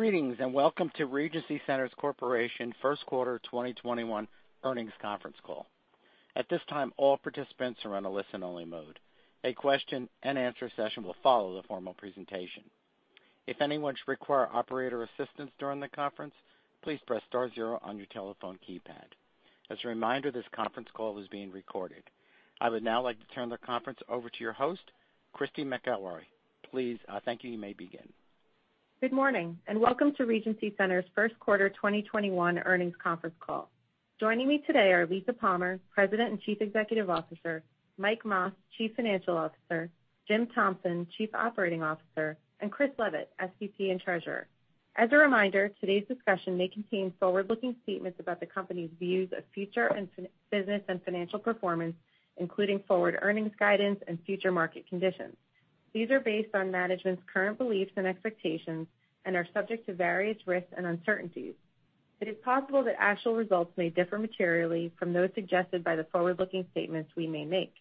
Greetings, and welcome to Regency Centers Corporation first quarter 2021 earnings conference call. At this time, all participants are on a listen-only mode. A question and answer session will follow the formal presentation. If anyone should require operator assistance during the conference, please press star zero on your telephone keypad. As a reminder, this conference call is being recorded. I would now like to turn the conference over to your host, Christy McElroy. Please, thank you. You may begin. Good morning, and welcome to Regency Centers' first quarter 2021 earnings conference call. Joining me today are Lisa Palmer, President and Chief Executive Officer, Mike Mas, Chief Financial Officer, Jim Thompson, Chief Operating Officer, and J. Christian Leavitt, SVP and Treasurer. As a reminder, today's discussion may contain forward-looking statements about the company's views of future and business and financial performance, including forward earnings guidance and future market conditions. These are based on management's current beliefs and expectations and are subject to various risks and uncertainties. It is possible that actual results may differ materially from those suggested by the forward-looking statements we may make.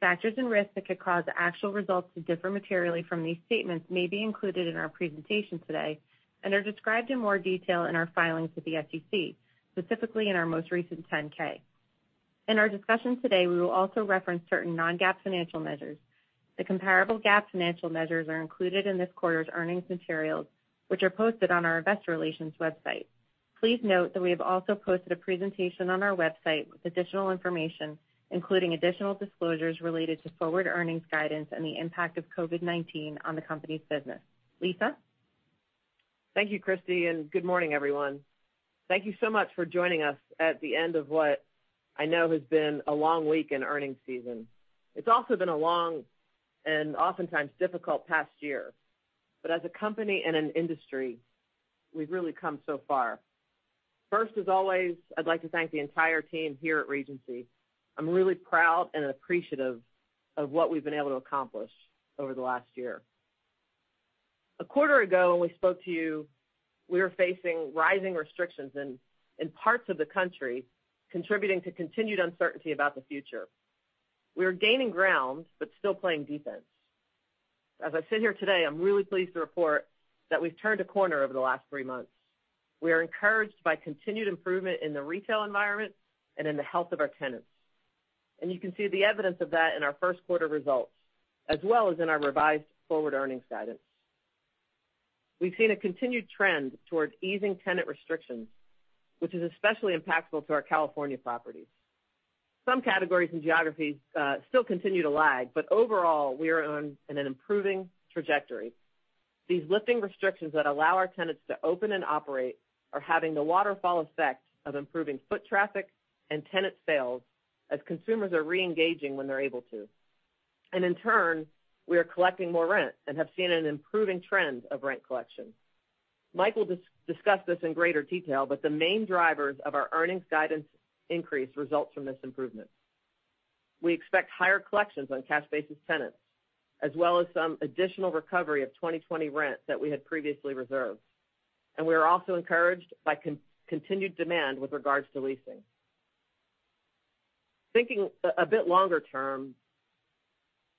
Factors and risks that could cause actual results to differ materially from these statements may be included in our presentation today and are described in more detail in our filings with the SEC, specifically in our most recent 10-K. In our discussion today, we will also reference certain non-GAAP financial measures. The comparable GAAP financial measures are included in this quarter's earnings materials, which are posted on our investor relations website. Please note that we have also posted a presentation on our website with additional information, including additional disclosures related to forward earnings guidance and the impact of COVID-19 on the company's business. Lisa? Thank you, Christy McElroy. Good morning, everyone. Thank you so much for joining us at the end of what I know has been a long week in earnings season. It's also been a long and oftentimes difficult past year. As a company and an industry, we've really come so far. First, as always, I'd like to thank the entire team here at Regency Centers. I'm really proud and appreciative of what we've been able to accomplish over the last year. A quarter ago, when we spoke to you, we were facing rising restrictions in parts of the country, contributing to continued uncertainty about the future. We were gaining ground, but still playing defense. As I sit here today, I'm really pleased to report that we've turned a corner over the last three months. We are encouraged by continued improvement in the retail environment and in the health of our tenants. You can see the evidence of that in our first quarter results, as well as in our revised forward earnings guidance. We've seen a continued trend towards easing tenant restrictions, which is especially impactful to our California properties. Some categories and geographies still continue to lag, but overall, we are on an improving trajectory. These lifting restrictions that allow our tenants to open and operate are having the waterfall effect of improving foot traffic and tenant sales as consumers are re-engaging when they're able to. In turn, we are collecting more rent and have seen an improving trend of rent collection. Mike will discuss this in greater detail, but the main drivers of our earnings guidance increase results from this improvement. We expect higher collections on cash basis tenants, as well as some additional recovery of 2020 rent that we had previously reserved. We are also encouraged by continued demand with regards to leasing. Thinking a bit longer term,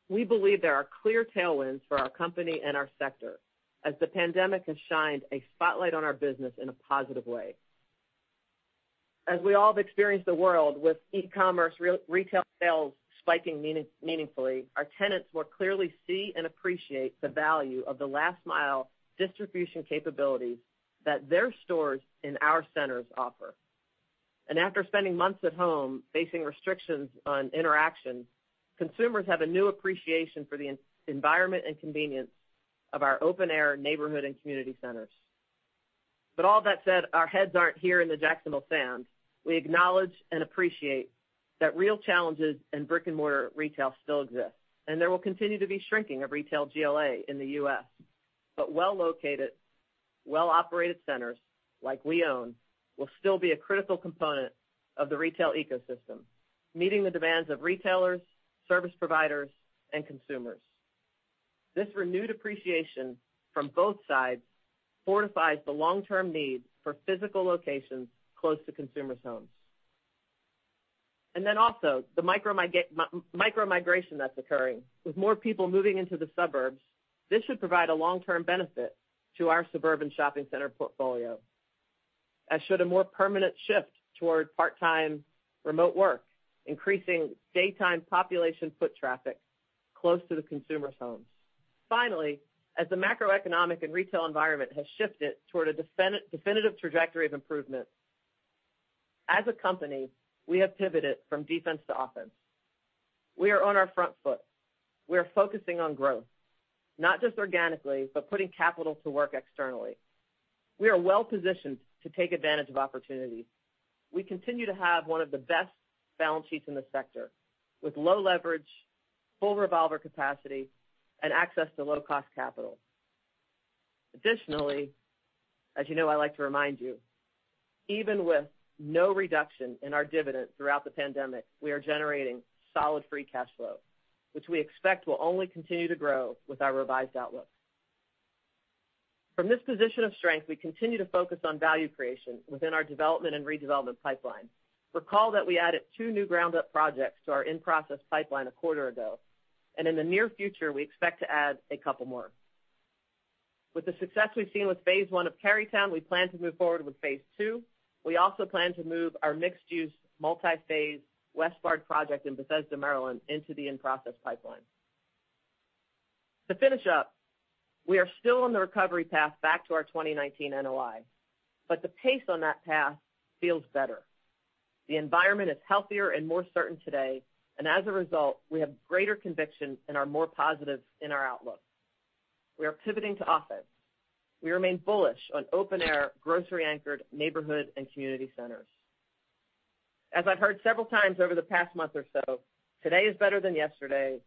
we believe there are clear tailwinds for our company and our sector, as the pandemic has shined a spotlight on our business in a positive way. As we all have experienced the world with e-commerce retail sales spiking meaningfully, our tenants will clearly see and appreciate the value of the last-mile distribution capabilities that their stores and our centers offer. After spending months at home facing restrictions on interaction, consumers have a new appreciation for the environment and convenience of our open-air neighborhood and community centers. All that said, our heads aren't here in the Jacksonville sands. We acknowledge and appreciate that real challenges in brick-and-mortar retail still exist, and there will continue to be shrinking of retail GLA in the U.S. Well-located, well-operated centers, like we own, will still be a critical component of the retail ecosystem, meeting the demands of retailers, service providers, and consumers. This renewed appreciation from both sides fortifies the long-term need for physical locations close to consumers' homes. The micro-migration that's occurring. With more people moving into the suburbs, this should provide a long-term benefit to our suburban shopping center portfolio. As should a more permanent shift toward part-time remote work, increasing daytime population foot traffic close to the consumer's homes. Finally, as the macroeconomic and retail environment has shifted toward a definitive trajectory of improvement, as a company, we have pivoted from defense to offense. We are on our front foot. We are focusing on growth, not just organically, but putting capital to work externally. We are well-positioned to take advantage of opportunities. We continue to have one of the best balance sheets in the sector, with low leverage, full revolver capacity, and access to low-cost capital. As you know I like to remind you, even with no reduction in our dividend throughout the pandemic, we are generating solid free cash flow, which we expect will only continue to grow with our revised outlook. From this position of strength, we continue to focus on value creation within our development and redevelopment pipeline. Recall that we added two new ground-up projects to our in-process pipeline a quarter ago. In the near future, we expect to add a couple more. With the success we've seen with phase one of Carytown, we plan to move forward with phase two. We also plan to move our mixed-use, multi-phase Westbard project in Bethesda, Maryland into the in-process pipeline. To finish up, we are still on the recovery path back to our 2019 NOI, but the pace on that path feels better. The environment is healthier and more certain today, and as a result, we have greater conviction and are more positive in our outlook. We are pivoting to offense. We remain bullish on open air, grocery anchored, neighborhood, and community centers. As I've heard several times over the past month or so, today is better than yesterday,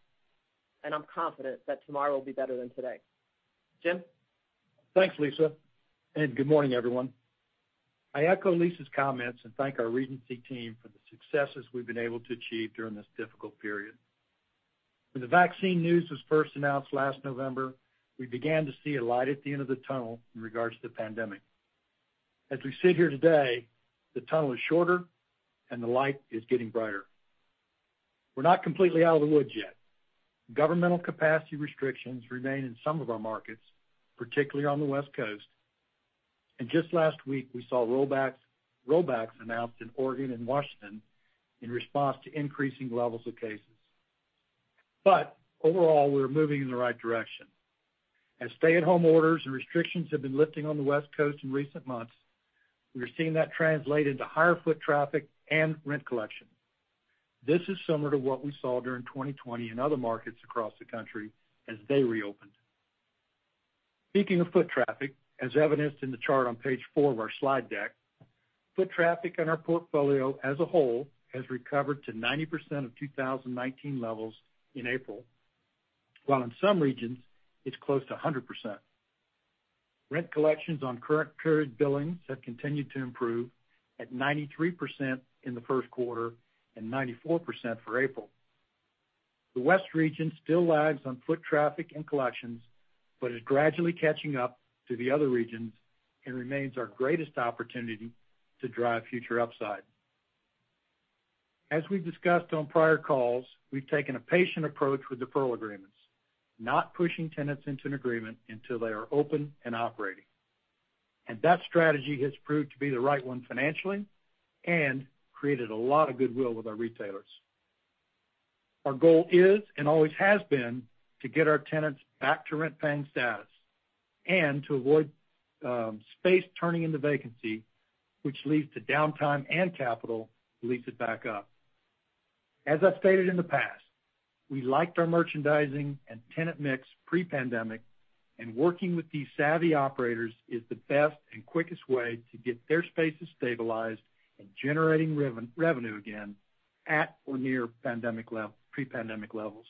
and I'm confident that tomorrow will be better than today. Jim? Thanks, Lisa. Good morning, everyone. I echo Lisa's comments and thank our Regency team for the successes we've been able to achieve during this difficult period. When the vaccine news was first announced last November, we began to see a light at the end of the tunnel in regards to the pandemic. As we sit here today, the tunnel is shorter, and the light is getting brighter. We're not completely out of the woods yet. Governmental capacity restrictions remain in some of our markets, particularly on the West Coast, and just last week, we saw rollbacks announced in Oregon and Washington in response to increasing levels of cases. Overall, we're moving in the right direction. As stay-at-home orders and restrictions have been lifting on the West Coast in recent months, we are seeing that translate into higher foot traffic and rent collection. This is similar to what we saw during 2020 in other markets across the country as they reopened. Speaking of foot traffic, as evidenced in the chart on page four of our slide deck, foot traffic in our portfolio as a whole has recovered to 90% of 2019 levels in April, while in some regions, it's close to 100%. Rent collections on current period billings have continued to improve at 93% in the first quarter and 94% for April. The west region still lags on foot traffic and collections, but is gradually catching up to the other regions and remains our greatest opportunity to drive future upside. As we've discussed on prior calls, we've taken a patient approach with the deferral agreements, not pushing tenants into an agreement until they are open and operating. That strategy has proved to be the right one financially and created a lot of goodwill with our retailers. Our goal is, and always has been, to get our tenants back to rent-paying status and to avoid space turning into vacancy, which leads to downtime and capital to lease it back up. As I've stated in the past, we liked our merchandising and tenant mix pre-pandemic, and working with these savvy operators is the best and quickest way to get their spaces stabilized and generating revenue again at or near pre-pandemic levels.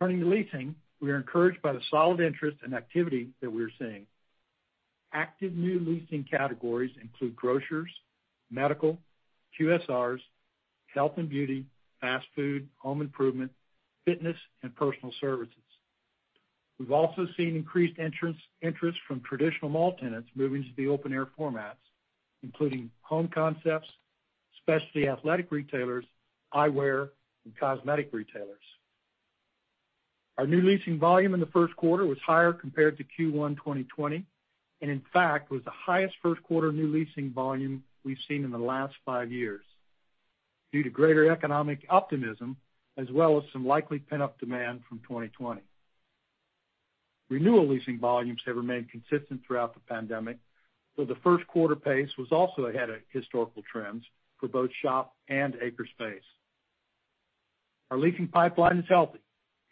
Turning to leasing, we are encouraged by the solid interest and activity that we are seeing. Active new leasing categories include grocers, medical, QSRs, health and beauty, fast food, home improvement, fitness, and personal services. We've also seen increased interest from traditional mall tenants moving to the open air formats, including home concepts, specialty athletic retailers, eyewear, and cosmetic retailers. Our new leasing volume in the first quarter was higher compared to Q1 2020, and in fact, was the highest first quarter new leasing volume we've seen in the last five years due to greater economic optimism, as well as some likely pent-up demand from 2020. Renewal leasing volumes have remained consistent throughout the pandemic, though the first quarter pace was also ahead of historical trends for both shop and anchor space. Our leasing pipeline is healthy,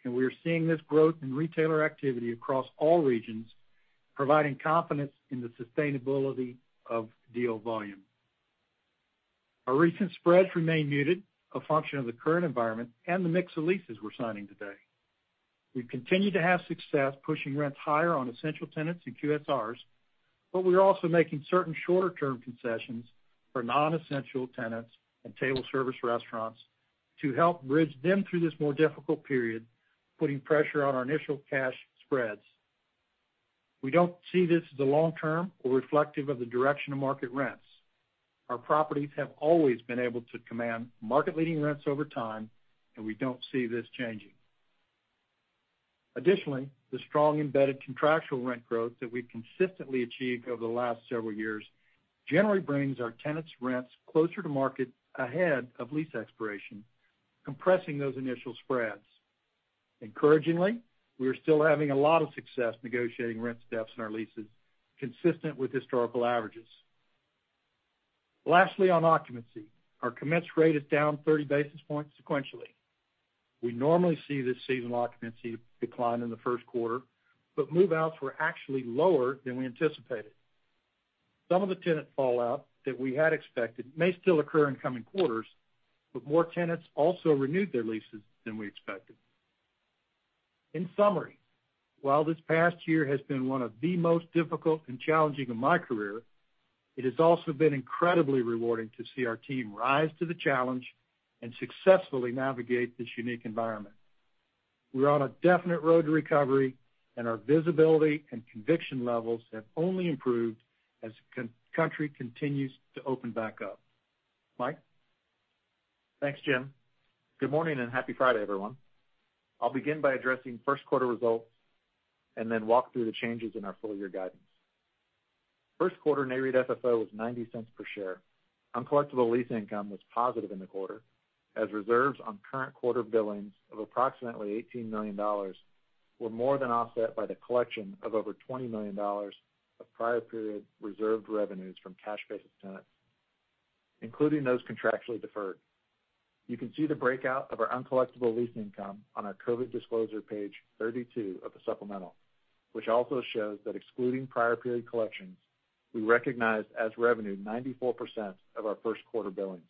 and we are seeing this growth in retailer activity across all regions, providing confidence in the sustainability of deal volume. Our recent spreads remain muted, a function of the current environment and the mix of leases we're signing today. We've continued to have success pushing rents higher on essential tenants and QSRs, but we're also making certain shorter-term concessions for non-essential tenants and table service restaurants to help bridge them through this more difficult period, putting pressure on our initial cash spreads. We don't see this as a long term or reflective of the direction of market rents. Our properties have always been able to command market leading rents over time, and we don't see this changing. Additionally, the strong embedded contractual rent growth that we've consistently achieved over the last several years generally brings our tenants' rents closer to market ahead of lease expiration, compressing those initial spreads. Encouragingly, we are still having a lot of success negotiating rent steps in our leases consistent with historical averages. Lastly, on occupancy, our commenced rate is down 30 basis points sequentially. We normally see this seasonal occupancy decline in the first quarter, but move-outs were actually lower than we anticipated. Some of the tenant fallout that we had expected may still occur in coming quarters, but more tenants also renewed their leases than we expected. In summary, while this past year has been one of the most difficult and challenging of my career, it has also been incredibly rewarding to see our team rise to the challenge and successfully navigate this unique environment. We're on a definite road to recovery, and our visibility and conviction levels have only improved as the country continues to open back up. Mike? Thanks, Jim. Good morning, happy Friday, everyone. I'll begin by addressing first quarter results and then walk through the changes in our full-year guidance. First quarter Nareit FFO was $0.90 per share. Uncollectible lease income was positive in the quarter, as reserves on current quarter billings of approximately $18 million were more than offset by the collection of over $20 million of prior period reserved revenues from cash basis tenants, including those contractually deferred. You can see the breakout of our uncollectible leasing income on our COVID disclosure page 32 of the supplemental, which also shows that excluding prior period collections, we recognized as revenue 94% of our first quarter billings.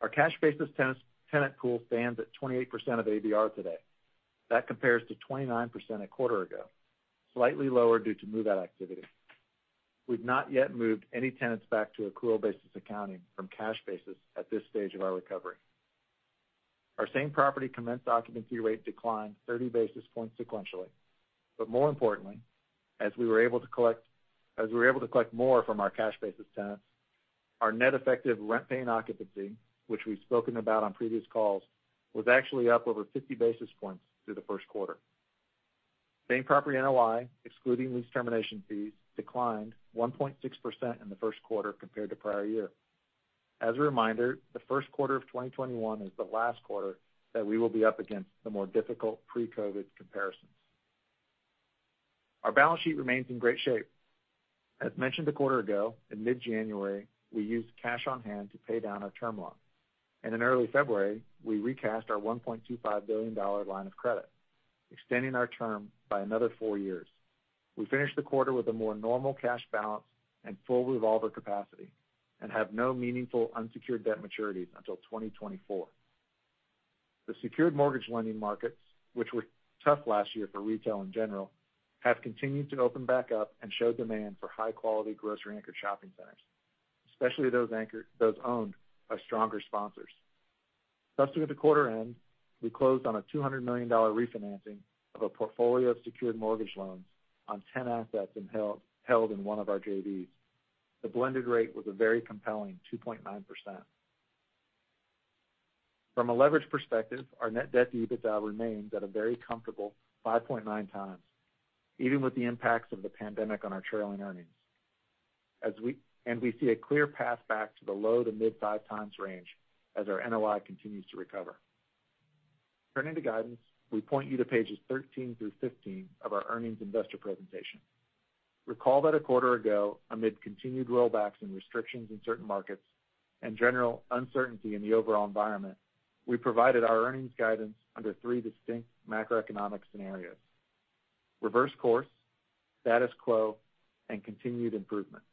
Our cash basis tenant pool stands at 28% of ABR today. That compares to 29% a quarter ago, slightly lower due to move-out activity. We've not yet moved any tenants back to accrual basis accounting from cash basis at this stage of our recovery. Our same property commenced occupancy rate declined 30 basis points sequentially. More importantly, as we were able to collect more from our cash basis tenants, our net effective rent paying occupancy, which we've spoken about on previous calls, was actually up over 50 basis points through the first quarter. Same property NOI, excluding lease termination fees, declined 1.6% in the first quarter compared to prior year. As a reminder, the first quarter of 2021 is the last quarter that we will be up against the more difficult pre-COVID comparisons. Our balance sheet remains in great shape. As mentioned a quarter ago, in mid-January, we used cash on hand to pay down our term loan. In early February, we recast our $1.25 billion line of credit, extending our term by another four years. We finished the quarter with a more normal cash balance and full revolver capacity and have no meaningful unsecured debt maturities until 2024. The secured mortgage lending markets, which were tough last year for retail in general, have continued to open back up and show demand for high-quality grocery anchor shopping centers, especially those owned by stronger sponsors. Just at the quarter end, we closed on a $200 million refinancing of a portfolio of secured mortgage loans on 10 assets held in one of our JVs. The blended rate was a very compelling 2.9%. From a leverage perspective, our net debt to EBITDA remains at a very comfortable 5.9 times, even with the impacts of the pandemic on our trailing earnings. We see a clear path back to the low to mid 5 times range as our NOI continues to recover. Turning to guidance, we point you to pages 13 through 15 of our earnings investor presentation. Recall that a quarter ago, amid continued rollbacks and restrictions in certain markets and general uncertainty in the overall environment, we provided our earnings guidance under three distinct macroeconomic scenarios: reverse course, status quo, and continued improvement.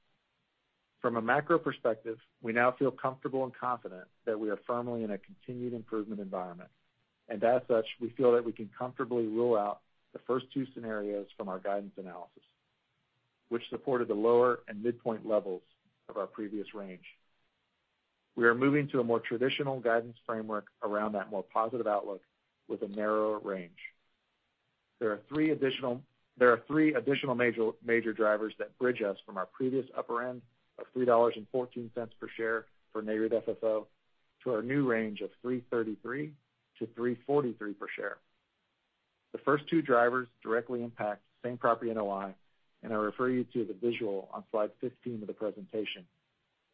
From a macro perspective, we now feel comfortable and confident that we are firmly in a continued improvement environment, and as such, we feel that we can comfortably rule out the first two scenarios from our guidance analysis, which supported the lower and midpoint levels of our previous range. We are moving to a more traditional guidance framework around that more positive outlook with a narrower range. There are three additional major drivers that bridge us from our previous upper end of $3.14 per share for Nareit FFO to our new range of $3.33 to $3.43 per share. The first two drivers directly impact same property NOI. I refer you to the visual on slide 15 of the presentation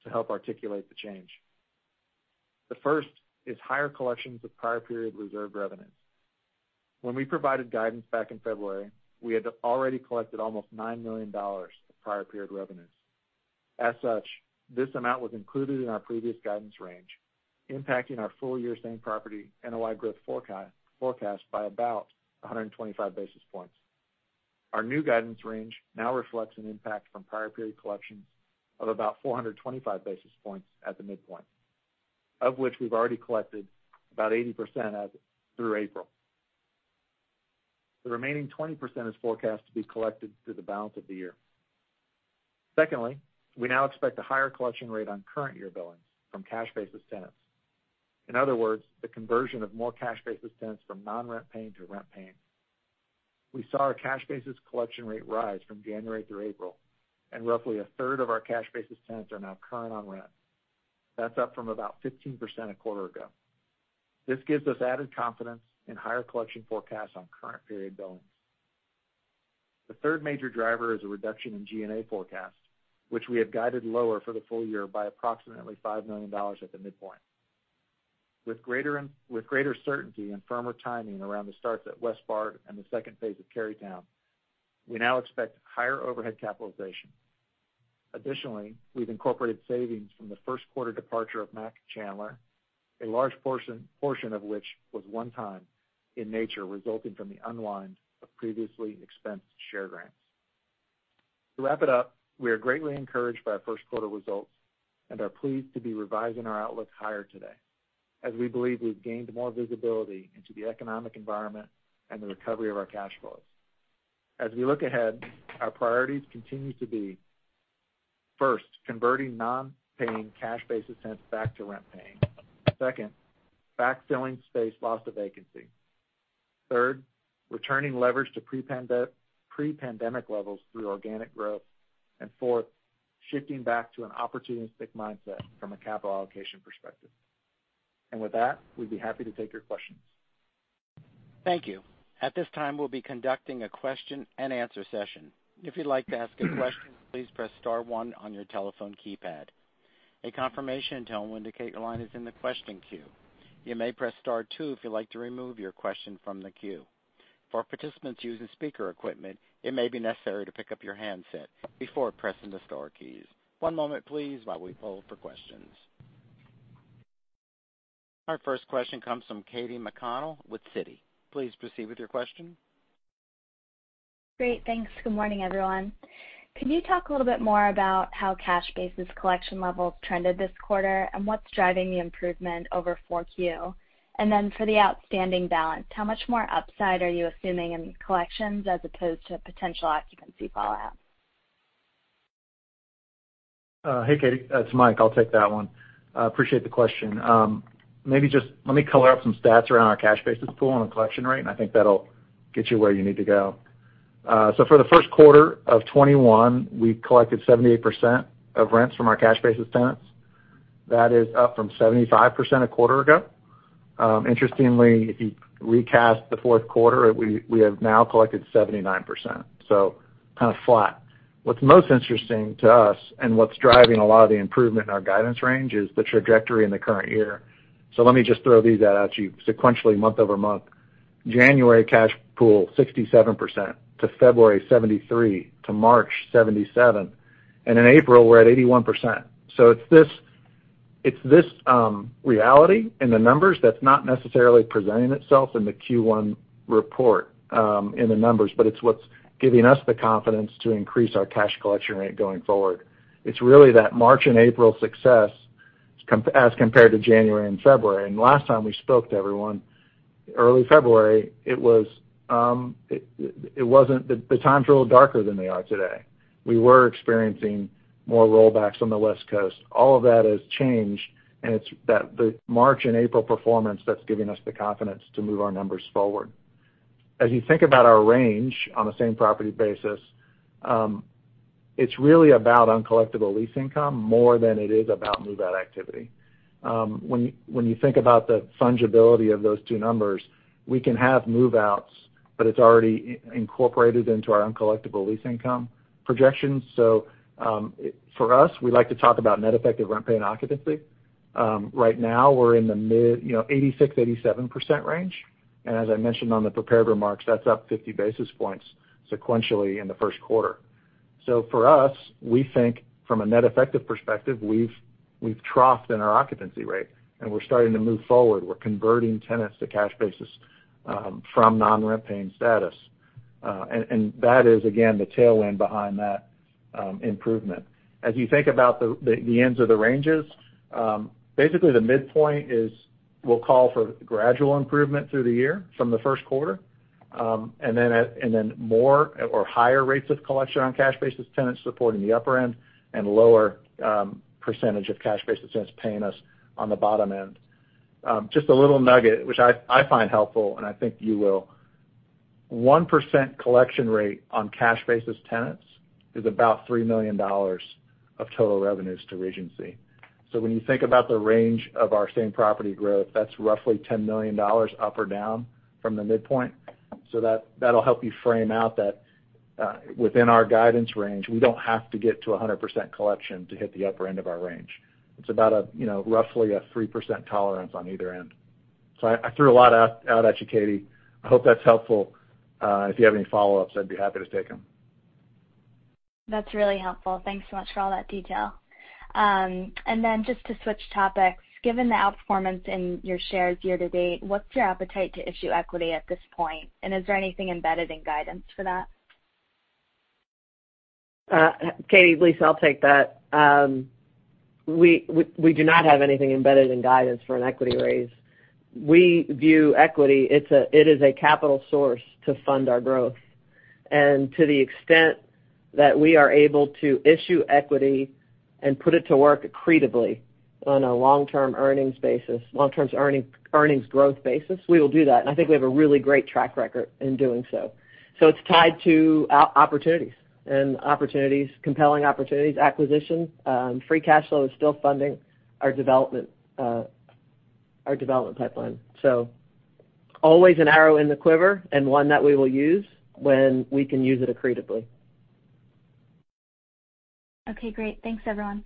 to help articulate the change. The first is higher collections of prior period reserved revenues. When we provided guidance back in February, we had already collected almost $9 million of prior period revenues. As such, this amount was included in our previous guidance range, impacting our full-year same property NOI growth forecast by about 125 basis points. Our new guidance range now reflects an impact from prior period collections of about 425 basis points at the midpoint, of which we've already collected about 80% through April. The remaining 20% is forecast to be collected through the balance of the year. Secondly, we now expect a higher collection rate on current year billings from cash basis tenants. In other words, the conversion of more cash basis tenants from non-rent paying to rent paying. We saw our cash basis collection rate rise from January through April, and roughly a third of our cash basis tenants are now current on rent. That's up from about 15% a quarter ago. This gives us added confidence in higher collection forecasts on current period billings. The third major driver is a reduction in G&A forecast, which we have guided lower for the full year by approximately $5 million at the midpoint. With greater certainty and firmer timing around the starts at Westbard and the second phase of Carytown, we now expect higher overhead capitalization. Additionally, we've incorporated savings from the first quarter departure of Mac Chandler, a large portion of which was one time in nature, resulting from the unwind of previously expensed share grants. To wrap it up, we are greatly encouraged by our first quarter results and are pleased to be revising our outlook higher today, as we believe we've gained more visibility into the economic environment and the recovery of our cash flows. As we look ahead, our priorities continue to be First, converting non-paying cash basis tenants back to rent paying. Second, backfilling space lost to vacancy. Third, returning leverage to pre-pandemic levels through organic growth. Fourth, shifting back to an opportunistic mindset from a capital allocation perspective. With that, we'd be happy to take your questions. Our first question comes from Katy McConnell with Citi. Please proceed with your question. Great. Thanks. Good morning, everyone. Can you talk a little bit more about how cash basis collection levels trended this quarter, and what's driving the improvement over 4Q? For the outstanding balance, how much more upside are you assuming in collections as opposed to potential occupancy fallout? Hey, Katy McConnell. It's Mike Mas. I'll take that one. Appreciate the question. Maybe just let me color up some stats around our cash basis pool and the collection rate, and I think that'll get you where you need to go. For the first quarter of 2021, we collected 78% of rents from our cash basis tenants. That is up from 75% a quarter ago. Interestingly, if you recast the fourth quarter, we have now collected 79%, so kind of flat. What's most interesting to us and what's driving a lot of the improvement in our guidance range is the trajectory in the current year. Let me just throw these out at you sequentially month-over-month. January cash pool, 67%, to February, 73%, to March, 77%. In April, we're at 81%. It's this reality in the numbers that's not necessarily presenting itself in the Q1 report, in the numbers, but it's what's giving us the confidence to increase our cash collection rate going forward. It's really that March and April success as compared to January and February. Last time we spoke to everyone, early February, the times were a little darker than they are today. We were experiencing more rollbacks on the West Coast. All of that has changed, and it's the March and April performance that's giving us the confidence to move our numbers forward. As you think about our range on a same property basis, it's really about uncollectible lease income more than it is about move-out activity. When you think about the fungibility of those two numbers, we can have move-outs, but it's already incorporated into our uncollectible lease income projections. For us, we like to talk about net effective rent-paying occupancy. Right now, we're in the mid 86%, 87% range. As I mentioned on the prepared remarks, that's up 50 basis points sequentially in the first quarter. For us, we think from a net effective perspective, we've troughed in our occupancy rate, and we're starting to move forward. We're converting tenants to cash basis from non-rent-paying status. That is, again, the tailwind behind that improvement. As you think about the ends of the ranges, basically the midpoint is we'll call for gradual improvement through the year from the first quarter, and then more or higher rates of collection on cash basis tenants supporting the upper end, and lower percentage of cash basis tenants paying us on the bottom end. Just a little nugget, which I find helpful, and I think you will. 1% collection rate on cash basis tenants is about $3 million of total revenues to Regency Centers. When you think about the range of our same property growth, that's roughly $10 million up or down from the midpoint. That'll help you frame out that within our guidance range, we don't have to get to 100% collection to hit the upper end of our range. It's about roughly a 3% tolerance on either end. I threw a lot out at you, Katy. I hope that's helpful. If you have any follow-ups, I'd be happy to take them. That's really helpful. Thanks so much for all that detail. Just to switch topics, given the outperformance in your shares year to date, what's your appetite to issue equity at this point? Is there anything embedded in guidance for that? Katy, Lisa, I'll take that. We do not have anything embedded in guidance for an equity raise. We view equity, it is a capital source to fund our growth. To the extent that we are able to issue equity and put it to work accretively on a long-term earnings growth basis, we will do that. I think we have a really great track record in doing so. It's tied to opportunities, and compelling opportunities, acquisitions. Free cash flow is still funding our development pipeline. Always an arrow in the quiver and one that we will use when we can use it accretively. Okay, great. Thanks, everyone.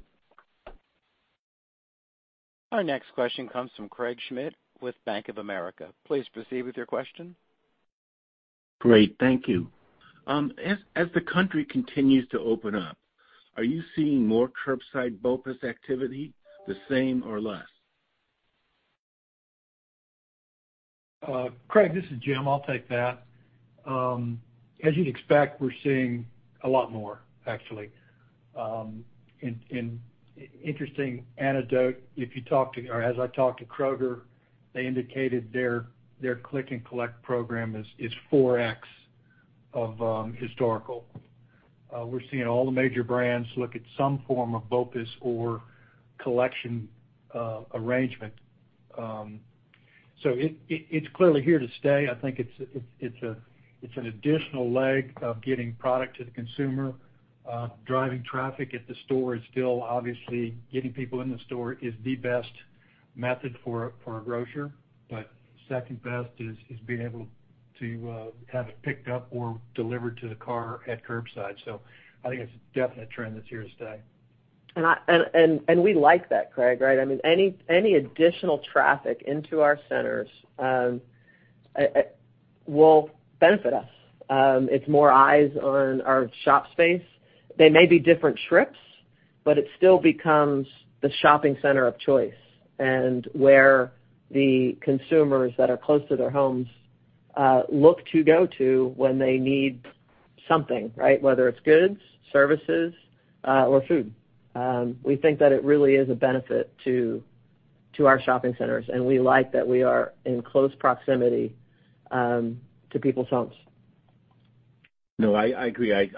Our next question comes from Craig Schmidt with Bank of America. Please proceed with your question. Great. Thank you. As the country continues to open up, are you seeing more curbside BOPUS activity, the same, or less? Craig, this is Jim. I'll take that. As you'd expect, we're seeing a lot more, actually. An interesting anecdote, as I talked to Kroger, they indicated their click and collect program is 4x Of historical. We're seeing all the major brands look at some form of BOPUS or collection arrangement. It's clearly here to stay. I think it's an additional leg of getting product to the consumer. Driving traffic at the store is still obviously getting people in the store is the best method for a grocer, but second best is being able to have it picked up or delivered to the car at curbside. I think it's a definite trend that's here to stay. We like that, Craig. I mean, any additional traffic into our centers will benefit us. It is more eyes on our shop space. They may be different trips, but it still becomes the shopping center of choice and where the consumers that are close to their homes look to go to when they need something. Whether it is goods, services, or food. We think that it really is a benefit to our shopping centers, and we like that we are in close proximity to people's homes. No, I agree. I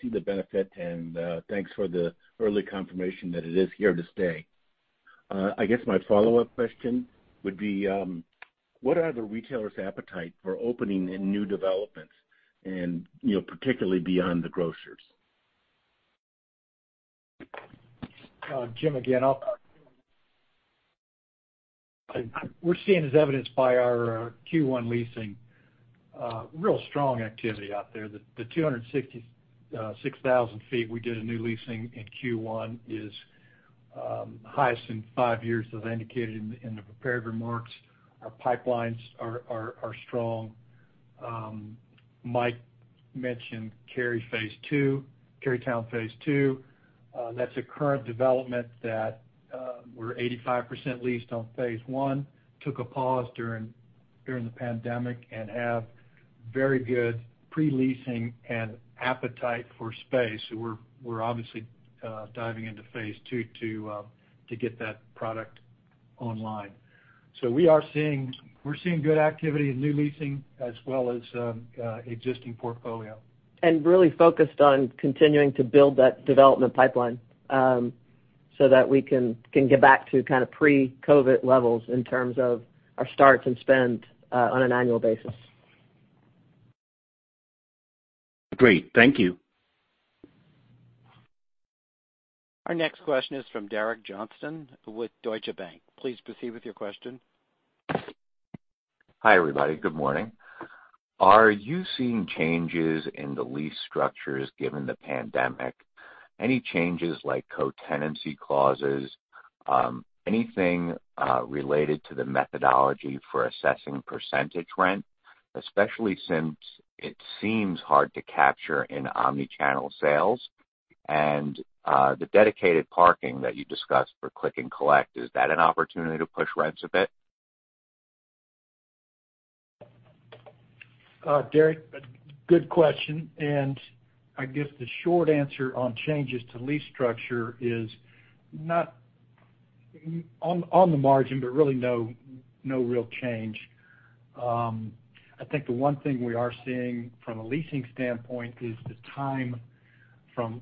see the benefit and, thanks for the early confirmation that it is here to stay. I guess my follow-up question would be, what are the retailers' appetite for opening in new developments and, particularly beyond the grocers? Jim, again, we're seeing, as evidenced by our Q1 leasing, real strong activity out there. The 266,000 feet we did in new leasing in Q1 is highest in five years, as I indicated in the prepared remarks. Our pipelines are strong. Mike mentioned Carytown phase 2. That's a current development that we're 85% leased on phase 1, took a pause during the pandemic and have very good pre-leasing and appetite for space. We're obviously diving into phase 2 to get that product online. We're seeing good activity in new leasing as well as existing portfolio. Really focused on continuing to build that development pipeline, so that we can get back to kind of pre-COVID levels in terms of our starts and spend on an annual basis. Great. Thank you. Our next question is from Derek Johnson with Deutsche Bank. Please proceed with your question. Hi, everybody. Good morning. Are you seeing changes in the lease structures given the pandemic? Any changes like co-tenancy clauses? Anything related to the methodology for assessing percentage rent, especially since it seems hard to capture in omni-channel sales? The dedicated parking that you discussed for click and collect, is that an opportunity to push rents a bit? Derek, good question. I guess the short answer on changes to lease structure is on the margin, but really no real change. I think the one thing we are seeing from a leasing standpoint is the time from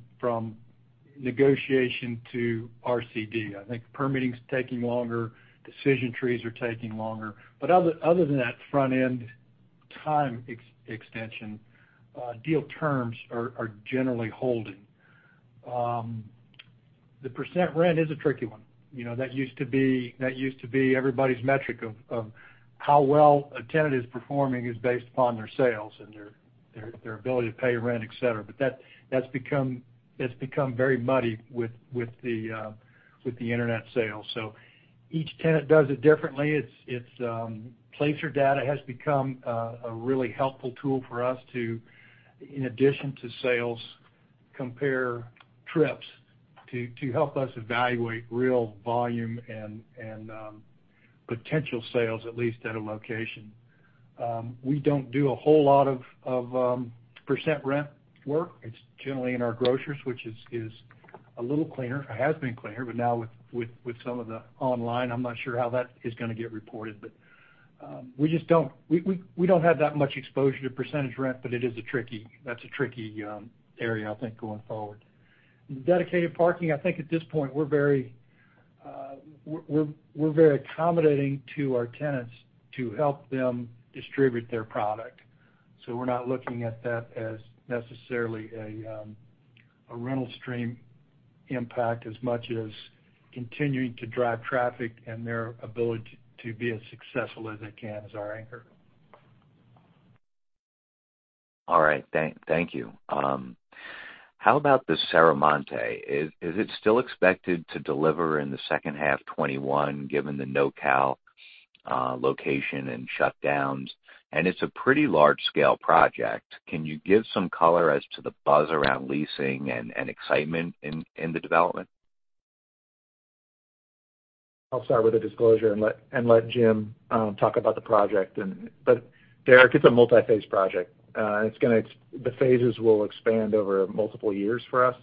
negotiation to RCD. I think permitting's taking longer, decision trees are taking longer. Other than that front-end time extension, deal terms are generally holding. The % rent is a tricky one. That used to be everybody's metric of how well a tenant is performing is based upon their sales and their ability to pay rent, et cetera. That's become very muddy with the internet sales. Each tenant does it differently. Placer.ai data has become a really helpful tool for us to, in addition to sales, compare trips to help us evaluate real volume and potential sales, at least at a location. We don't do a whole lot of % rent work. It's generally in our grocers, which is a little cleaner, or has been cleaner. Now with some of the online, I'm not sure how that is going to get reported. We don't have that much exposure to percentage rent, but that's a tricky area, I think, going forward. Dedicated parking, I think at this point, we're very accommodating to our tenants to help them distribute their product. We're not looking at that as necessarily a rental stream impact as much as continuing to drive traffic and their ability to be as successful as they can as our anchor. All right. Thank you. How about the Serramonte? Is it still expected to deliver in the second half 2021, given the NoCal location and shutdowns? It's a pretty large-scale project. Can you give some color as to the buzz around leasing and excitement in the development? I'll start with a disclosure and let Jim Thompson talk about the project. Derek Johnson, it's a multi-phase project. The phases will expand over multiple years for us.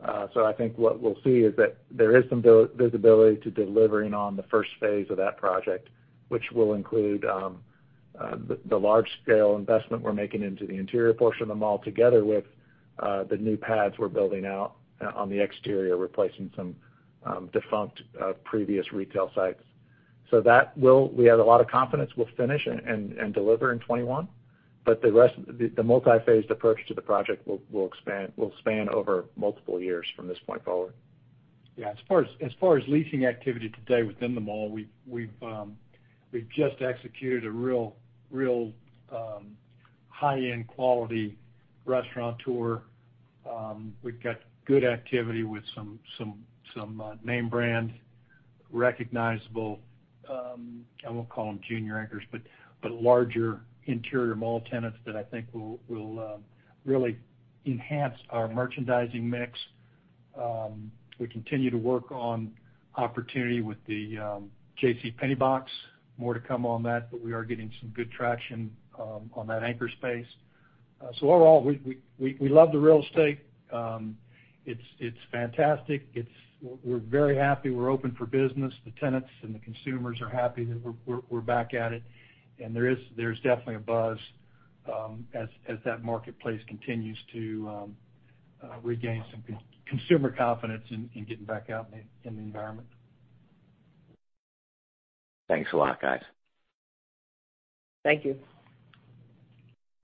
I think what we'll see is that there is some visibility to delivering on the first phase of that project, which will include the large scale investment we're making into the interior portion of the mall, together with the new pads we're building out on the exterior, replacing some defunct previous retail sites. That we have a lot of confidence we'll finish and deliver in 2021. The rest, the multi-phased approach to the project will span over multiple years from this point forward. Yeah. As far as leasing activity today within the mall, we've just executed a real high-end quality restaurateur. We've got good activity with some name brand, recognizable, I won't call them junior anchors, but larger interior mall tenants that I think will really enhance our merchandising mix. We continue to work on opportunity with the JCPenney box. More to come on that, but we are getting some good traction on that anchor space. Overall, we love the real estate. It's fantastic. We're very happy. We're open for business. The tenants and the consumers are happy that we're back at it, and there's definitely a buzz as that marketplace continues to regain some consumer confidence in getting back out in the environment. Thanks a lot, guys. Thank you.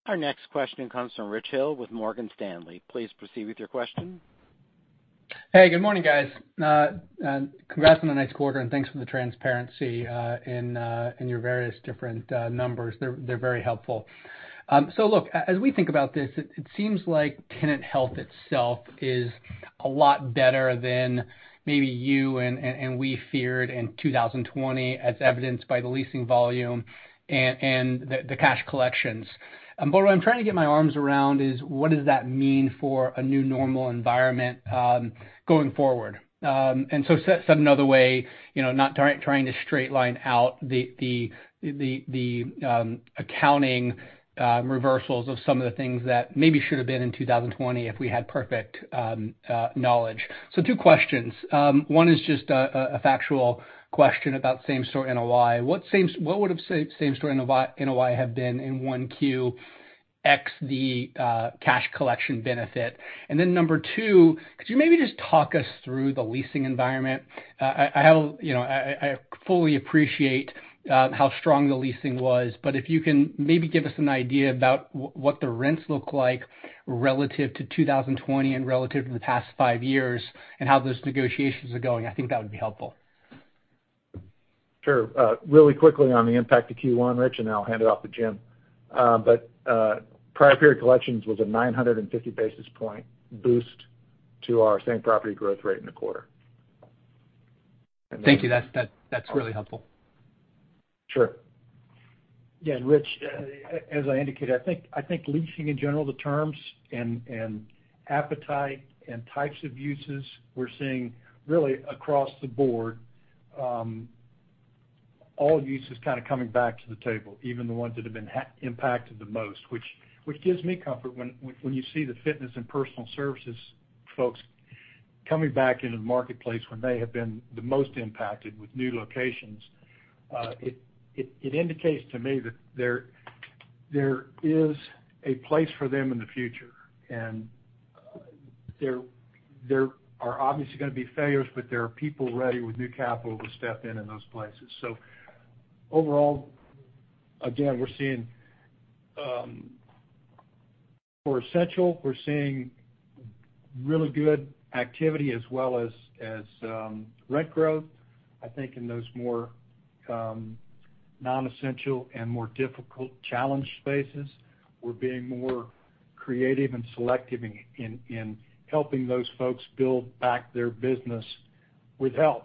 Our next question comes from Richard Hill with Morgan Stanley. Please proceed with your question. Good morning, guys. Congrats on the nice quarter, thanks for the transparency in your various different numbers. They're very helpful. Look, as we think about this, it seems like tenant health itself is a lot better than maybe you and we feared in 2020, as evidenced by the leasing volume and the cash collections. What I'm trying to get my arms around is what does that mean for a new normal environment going forward? Said another way, not trying to straight line out the accounting reversals of some of the things that maybe should have been in 2020 if we had perfect knowledge. Two questions. One is just a factual question about same-store NOI. What would have same-store NOI have been in 1Q, x the cash collection benefit? Number two, could you maybe just talk us through the leasing environment? I fully appreciate how strong the leasing was, but if you can maybe give us an idea about what the rents look like relative to 2020 and relative to the past five years and how those negotiations are going, I think that would be helpful. Sure. Really quickly on the impact to Q1, Richard Hill, and then I'll hand it off to Jim Thompson. Prior period collections was a 950 basis point boost to our same property growth rate in the quarter. Thank you. That's really helpful. Sure. Yeah. Rich, as I indicated, I think leasing in general, the terms and appetite and types of uses we're seeing really across the board, all uses kind of coming back to the table, even the ones that have been impacted the most, which gives me comfort when you see the fitness and personal services folks coming back into the marketplace when they have been the most impacted with new locations. It indicates to me that there is a place for them in the future, and there are obviously going to be failures, but there are people ready with new capital to step in in those places. Overall, again, for essential, we're seeing really good activity as well as rent growth. I think in those more non-essential and more difficult challenged spaces, we're being more creative and selective in helping those folks build back their business with help.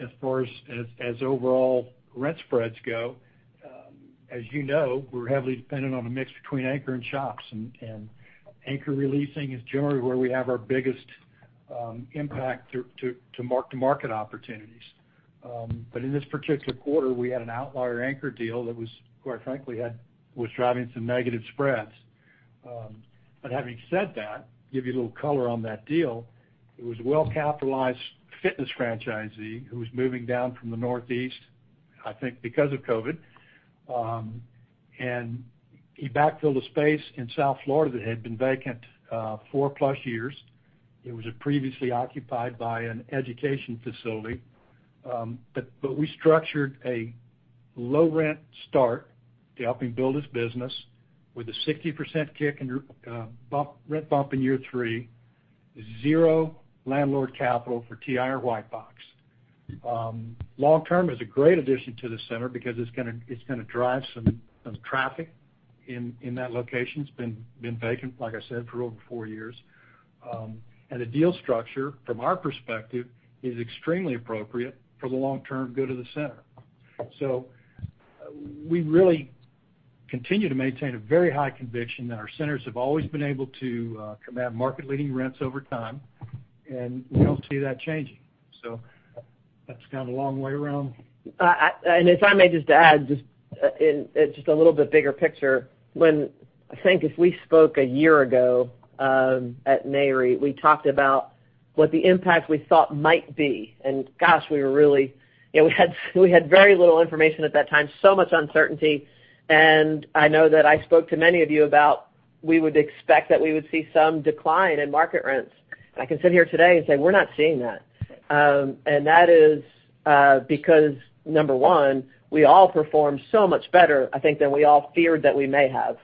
As far as overall rent spreads go, as you know, we're heavily dependent on a mix between anchor and shops, and anchor re-leasing is generally where we have our biggest impact to mark-to-market opportunities. In this particular quarter, we had an outlier anchor deal that was, quite frankly, was driving some negative spreads. Having said that, give you a little color on that deal, it was a well-capitalized fitness franchisee who was moving down from the northeast, I think because of COVID, and he backfilled a space in South Florida that had been vacant four plus years. It was previously occupied by an education facility. We structured a low rent start to help him build his business with a 60% kick in rent bump in year three, zero landlord capital for TI or white box. Long term, it's a great addition to the center because it's going to drive some traffic in that location. It's been vacant, like I said, for over four years. The deal structure from our perspective, is extremely appropriate for the long-term good of the center. We really continue to maintain a very high conviction that our centers have always been able to command market leading rents over time. We don't see that changing. That's kind of a long way around. If I may just add, just in just a little bit bigger picture, when I think if we spoke a year ago, at Nareit, we talked about what the impact we thought might be. Gosh, we had very little information at that time, so much uncertainty. I know that I spoke to many of you about, we would expect that we would see some decline in market rents. I can sit here today and say, we're not seeing that. That is because number one, we all performed so much better, I think, than we all feared that we may have.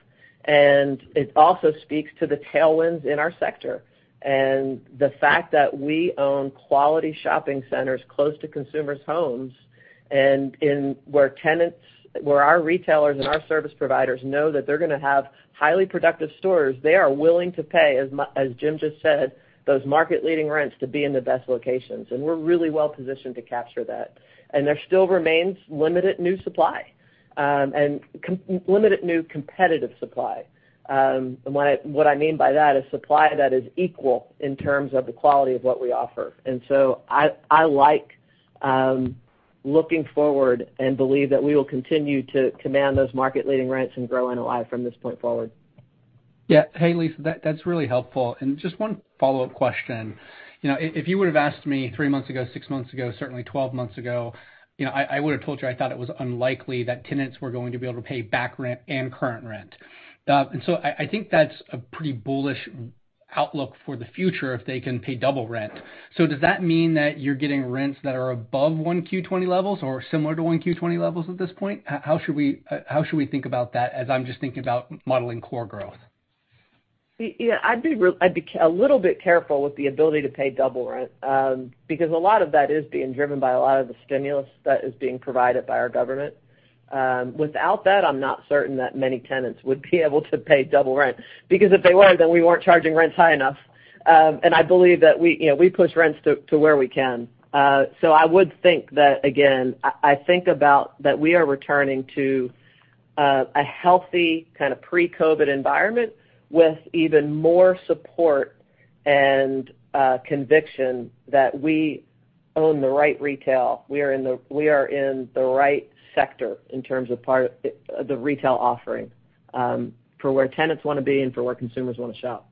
It also speaks to the tailwinds in our sector. The fact that we own quality shopping centers close to consumers' homes, and where our retailers and our service providers know that they're going to have highly productive stores, they are willing to pay, as Jim just said, those market leading rents to be in the best locations. We're really well-positioned to capture that. There still remains limited new supply, and limited new competitive supply. What I mean by that is supply that is equal in terms of the quality of what we offer. I like looking forward and believe that we will continue to command those market leading rents and grow NOI from this point forward. Yeah. Hey, Lisa, that's really helpful. Just one follow-up question. If you would've asked me three months ago, six months ago, certainly 12 months ago, I would've told you I thought it was unlikely that tenants were going to be able to pay back rent and current rent. I think that's a pretty bullish outlook for the future if they can pay double rent. Does that mean that you're getting rents that are above 1Q20 levels or similar to 1Q20 levels at this point? How should we think about that as I'm just thinking about modeling core growth? Yeah. I'd be a little bit careful with the ability to pay double rent, because a lot of that is being driven by a lot of the stimulus that is being provided by our government. Without that, I'm not certain that many tenants would be able to pay double rent, because if they were, then we weren't charging rents high enough. I believe that we push rents to where we can. I would think that, again, I think about that we are returning to a healthy kind of pre-COVID environment with even more support and conviction that we own the right retail. We are in the right sector in terms of the retail offering, for where tenants want to be and for where consumers want to shop.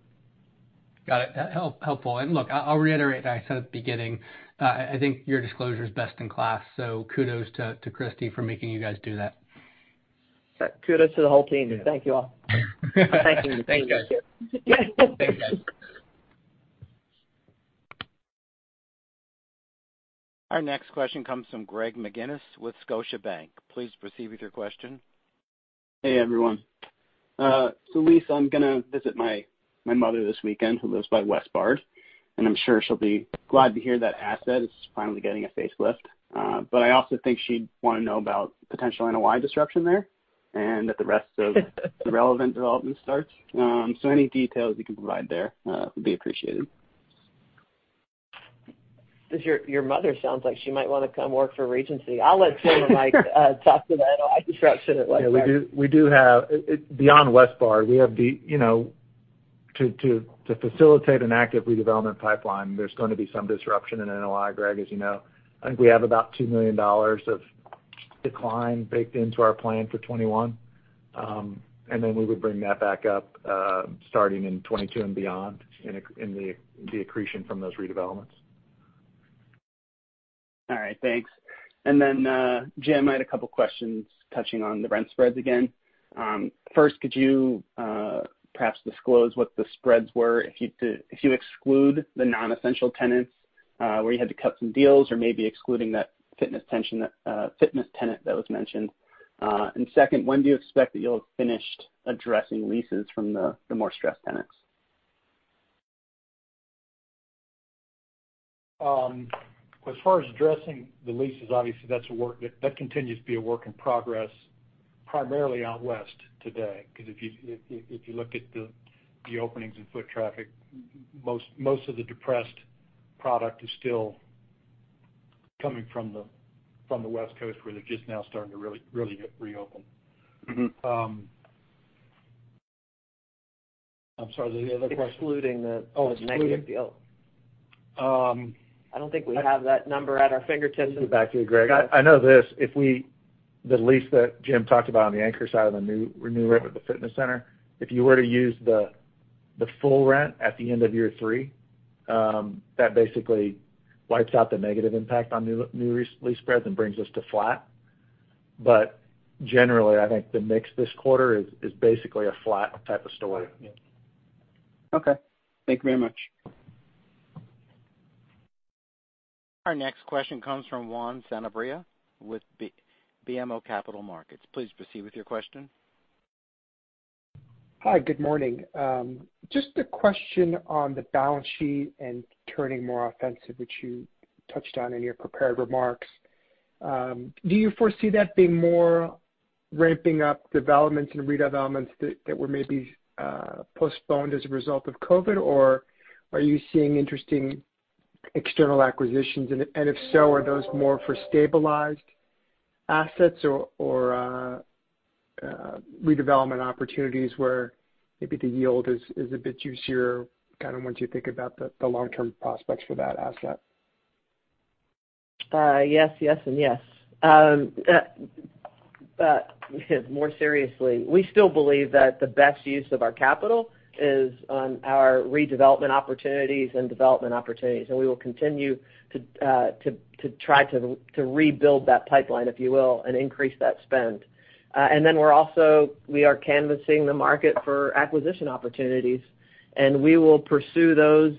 Got it. Helpful. Look, I'll reiterate what I said at the beginning. I think your disclosure's best in class, so kudos to Christy for making you guys do that. Kudos to the whole team. Thank you all. Thank you. Thanks, guys. Our next question comes from Greg McGinniss with Scotiabank. Please proceed with your question. Hey, everyone. Lisa, I'm gonna visit my mother this weekend, who lives by Westbard, and I'm sure she'll be glad to hear that asset is finally getting a facelift. I also think she'd want to know about potential NOI disruption there, and that of the relevant development starts. Any details you can provide there, would be appreciated. Your mother sounds like she might want to come work for Regency. I'll let Jim or Mike talk to the NOI disruption at Westbard. Yeah, beyond Westbard, to facilitate an active redevelopment pipeline, there's going to be some disruption in NOI, Greg, as you know. I think we have about $2 million of decline baked into our plan for 2021. We would bring that back up, starting in 2022 and beyond in the accretion from those redevelopments. All right. Thanks. Then, Jim, I had a couple questions touching on the rent spreads again. First, could you perhaps disclose what the spreads were if you exclude the non-essential tenants, where you had to cut some deals or maybe excluding that fitness tenant that was mentioned? Second, when do you expect that you'll have finished addressing leases from the more stressed tenants? As far as addressing the leases, obviously that continues to be a work in progress, primarily out west today, because if you look at the openings in foot traffic, most of the depressed product is still coming from the West Coast, where they're just now starting to really hit reopen. I'm sorry, the other question? Excluding the negative yield. Oh. I don't think we have that number at our fingertips. Let me get back to you, Greg. I know this, the lease that Jim talked about on the anchor side of the new rent with the fitness center, if you were to use the full rent at the end of year three, that basically wipes out the negative impact on new lease spreads and brings us to flat. Generally, I think the mix this quarter is basically a flat type of story. Yeah. Okay. Thank you very much. Our next question comes from Juan Sanabria with BMO Capital Markets. Please proceed with your question. Hi, good morning. Just a question on the balance sheet and turning more offensive, which you touched on in your prepared remarks. Do you foresee that being more ramping up developments and redevelopments that were maybe postponed as a result of COVID, or are you seeing interesting external acquisitions? If so, are those more for stabilized assets or redevelopment opportunities where maybe the yield is a bit juicier, kind of once you think about the long-term prospects for that asset? Yes, yes, and yes. More seriously, we still believe that the best use of our capital is on our redevelopment opportunities and development opportunities. We will continue to try to rebuild that pipeline, if you will, and increase that spend. We're also canvassing the market for acquisition opportunities, and we will pursue those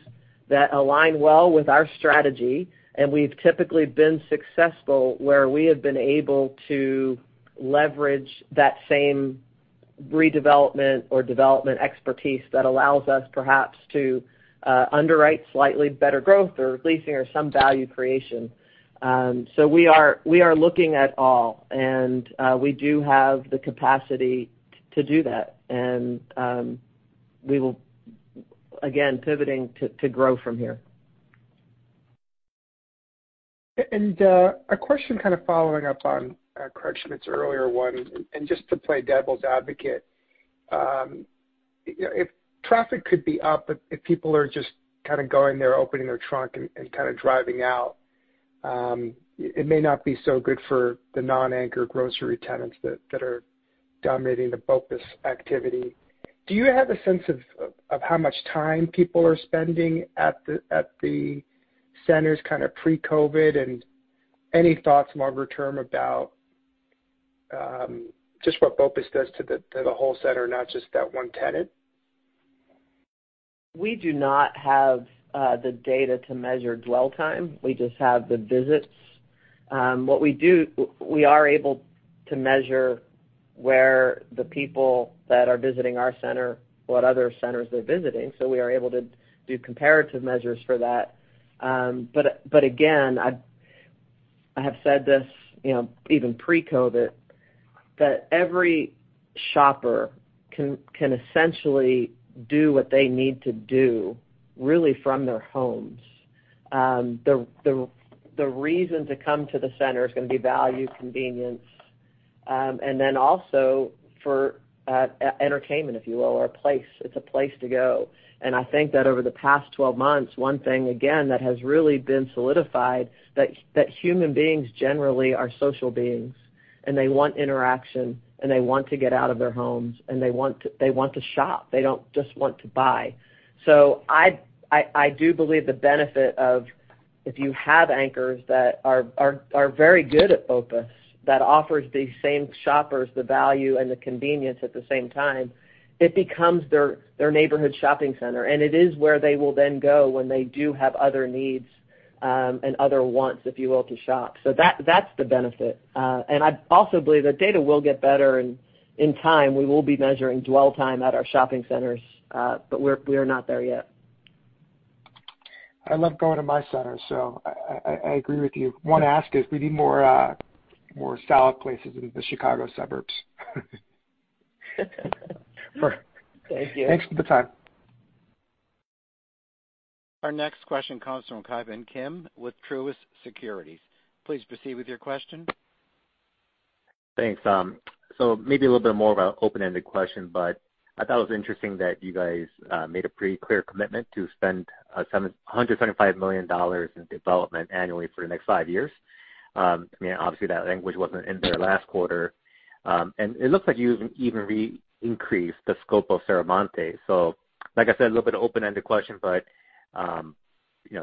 that align well with our strategy. We've typically been successful where we have been able to leverage that same redevelopment or development expertise that allows us perhaps to underwrite slightly better growth or leasing or some value creation. We are looking at all, and we do have the capacity to do that. We will, again, pivoting to grow from here. A question kind of following up on Craig Schmidt's earlier one, and just to play devil's advocate. If traffic could be up, if people are just kind of going there, opening their trunk and kind of driving out, it may not be so good for the non-anchor grocery tenants that are dominating the BOPUS activity. Do you have a sense of how much time people are spending at the centers kind of pre-COVID? Any thoughts more return about just what BOPUS does to the whole center, not just that one tenant? We do not have the data to measure dwell time. We just have the visits. What we do, we are able to measure where the people that are visiting our center, what other centers they're visiting. We are able to do comparative measures for that. Again, I have said this, even pre-COVID, that every shopper can essentially do what they need to do really from their homes. The reason to come to the center is going to be value, convenience, and then also for entertainment, if you will, or a place. It's a place to go. I think that over the past 12 months, one thing again that has really been solidified, that human beings generally are social beings, and they want interaction, and they want to get out of their homes, and they want to shop. They don't just want to buy. I do believe the benefit of if you have anchors that are very good at BOPUS, that offers these same shoppers the value and the convenience at the same time, it becomes their neighborhood shopping center. It is where they will then go when they do have other needs, and other wants, if you will, to shop. That's the benefit. I also believe that data will get better in time. We will be measuring dwell time at our shopping centers. We are not there yet. I love going to my center, so I agree with you. One ask is we need more salad places in the Chicago suburbs. Thank you. Thanks for the time. Our next question comes from Ki Bin Kim with Truist Securities. Please proceed with your question. Thanks. Maybe a little bit more of an open-ended question, but I thought it was interesting that you guys made a pretty clear commitment to spend $175 million in development annually for the next five years. Obviously, that language wasn't in there last quarter. It looks like you even re-increased the scope of Serramonte. Like I said, a little bit of open-ended question, but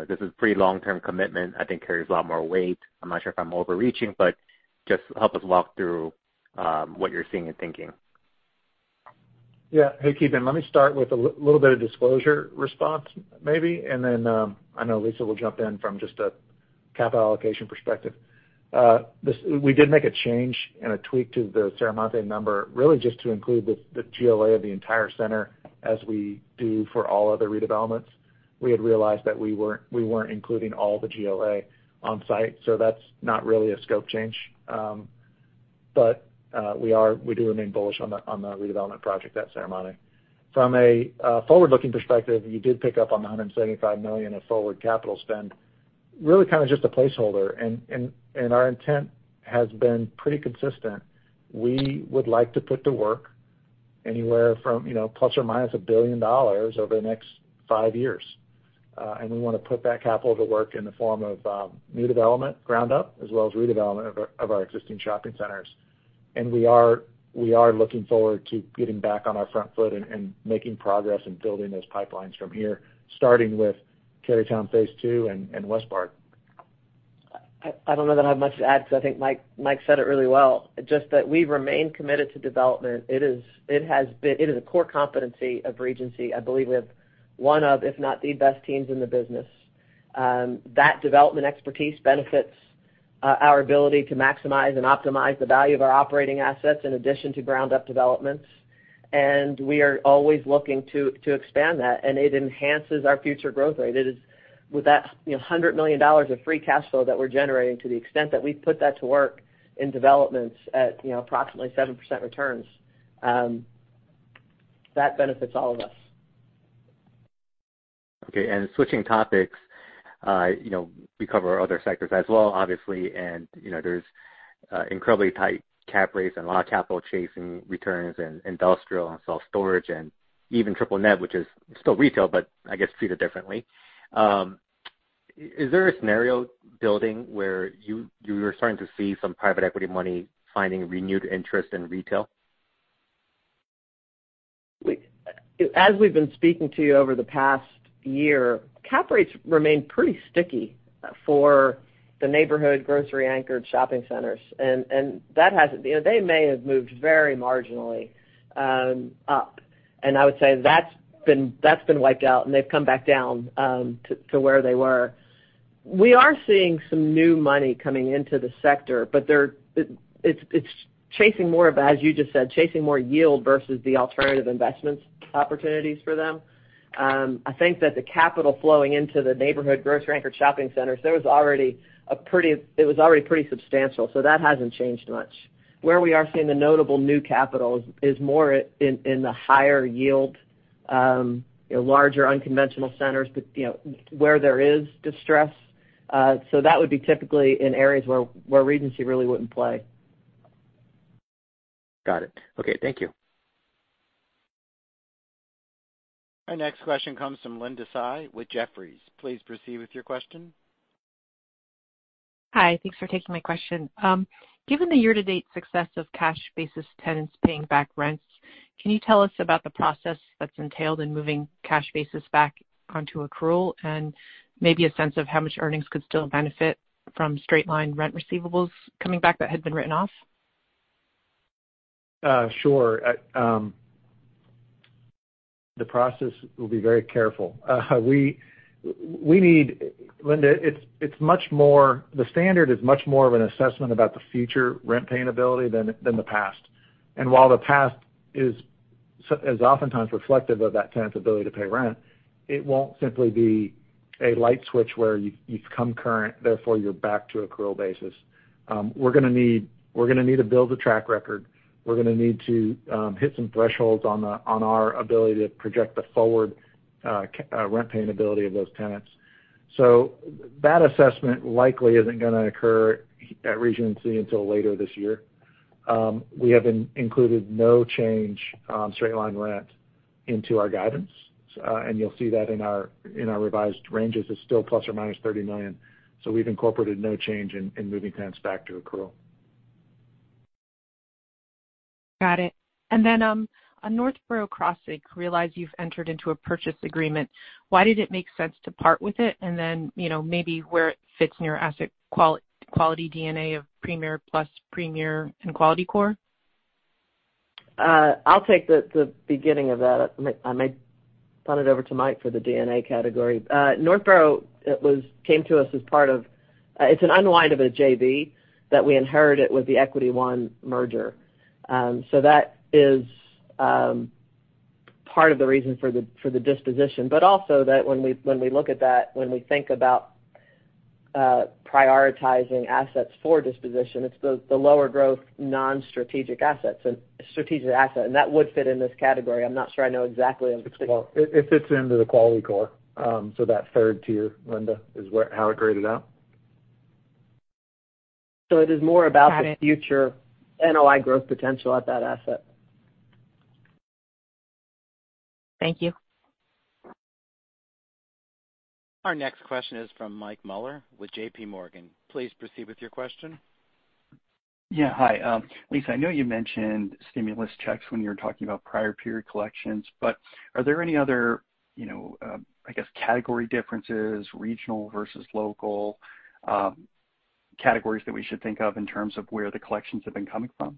this is pretty long-term commitment, I think carries a lot more weight. I'm not sure if I'm overreaching, but just help us walk through what you're seeing and thinking. Hey, Ki Bin Kim, let me start with a little bit of disclosure response, maybe, and then I know Lisa Palmer will jump in from just a capital allocation perspective. We did make a change and a tweak to the Serramonte number, really just to include the GLA of the entire center as we do for all other redevelopments. We had realized that we weren't including all the GLA on site, that's not really a scope change. We do remain bullish on the redevelopment project at Serramonte. From a forward-looking perspective, you did pick up on the $175 million of forward capital spend. Really kind of just a placeholder, our intent has been pretty consistent. We would like to put to work anywhere from ±$1 billion over the next five years. We want to put that capital to work in the form of new development, ground up, as well as redevelopment of our existing shopping centers. We are looking forward to getting back on our front foot and making progress and building those pipelines from here, starting with Carytown Phase 2 and Westbard. I don't know that I have much to add because I think Mike said it really well. Just that we remain committed to development. It is a core competency of Regency. I believe we have one of, if not the best teams in the business. That development expertise benefits our ability to maximize and optimize the value of our operating assets in addition to ground-up developments. We are always looking to expand that, and it enhances our future growth rate. With that $100 million of free cash flow that we're generating, to the extent that we put that to work in developments at approximately 7% returns, that benefits all of us. Okay, switching topics. We cover other sectors as well, obviously, and there's incredibly tight cap rates and a lot of capital chasing returns in industrial and self-storage and even triple net, which is still retail, but I guess treated differently. Is there a scenario building where you are starting to see some private equity money finding renewed interest in retail? As we've been speaking to you over the past year, cap rates remain pretty sticky for the neighborhood grocery anchored shopping centers. They may have moved very marginally up. I would say that's been wiped out, and they've come back down to where they were. We are seeing some new money coming into the sector, but it's chasing more of, as you just said, chasing more yield versus the alternative investment opportunities for them. I think that the capital flowing into the neighborhood grocery anchored shopping centers, it was already pretty substantial. That hasn't changed much. Where we are seeing the notable new capital is more in the higher yield, larger unconventional centers, but where there is distress. That would be typically in areas where Regency really wouldn't play. Got it. Okay. Thank you. Our next question comes from Linda Tsai with Jefferies. Please proceed with your question. Hi. Thanks for taking my question. Given the year-to-date success of cash basis tenants paying back rents, can you tell us about the process that's entailed in moving cash basis back onto accrual? Maybe a sense of how much earnings could still benefit from straight line rent receivables coming back that had been written off? Sure. The process will be very careful. Linda, the standard is much more of an assessment about the future rent paying ability than the past. While the past is oftentimes reflective of that tenant's ability to pay rent, it won't simply be a light switch where you've come current, therefore you're back to accrual basis. We're going to need to build a track record. We're going to need to hit some thresholds on our ability to project the forward rent paying ability of those tenants. That assessment likely isn't going to occur at Regency until later this year. We have included no change on straight line rent into our guidance. You'll see that in our revised ranges as still ±$30 million. We've incorporated no change in moving tenants back to accrual. Got it. On Northborough Crossing, realize you've entered into a purchase agreement. Why did it make sense to part with it? Maybe where it fits in your asset quality DNA of premier plus premier and quality core? I'll take the beginning of that. I may punt it over to Mike for the DNA category. Northborough, it's an unwind of a JV that we inherited with the Equity One merger. That is part of the reason for the disposition. Also that when we look at that, when we think about prioritizing assets for disposition, it's the lower growth non-strategic asset. That would fit in this category. I'm not sure I know exactly. It fits into the quality core. That 3rd tier, Linda, is how it graded out. It is more about the future NOI growth potential at that asset. Thank you. Our next question is from Michael Mueller with JPMorgan. Please proceed with your question. Yeah. Hi. Lisa, I know you mentioned stimulus checks when you were talking about prior period collections, but are there any other category differences, regional versus local, categories that we should think of in terms of where the collections have been coming from?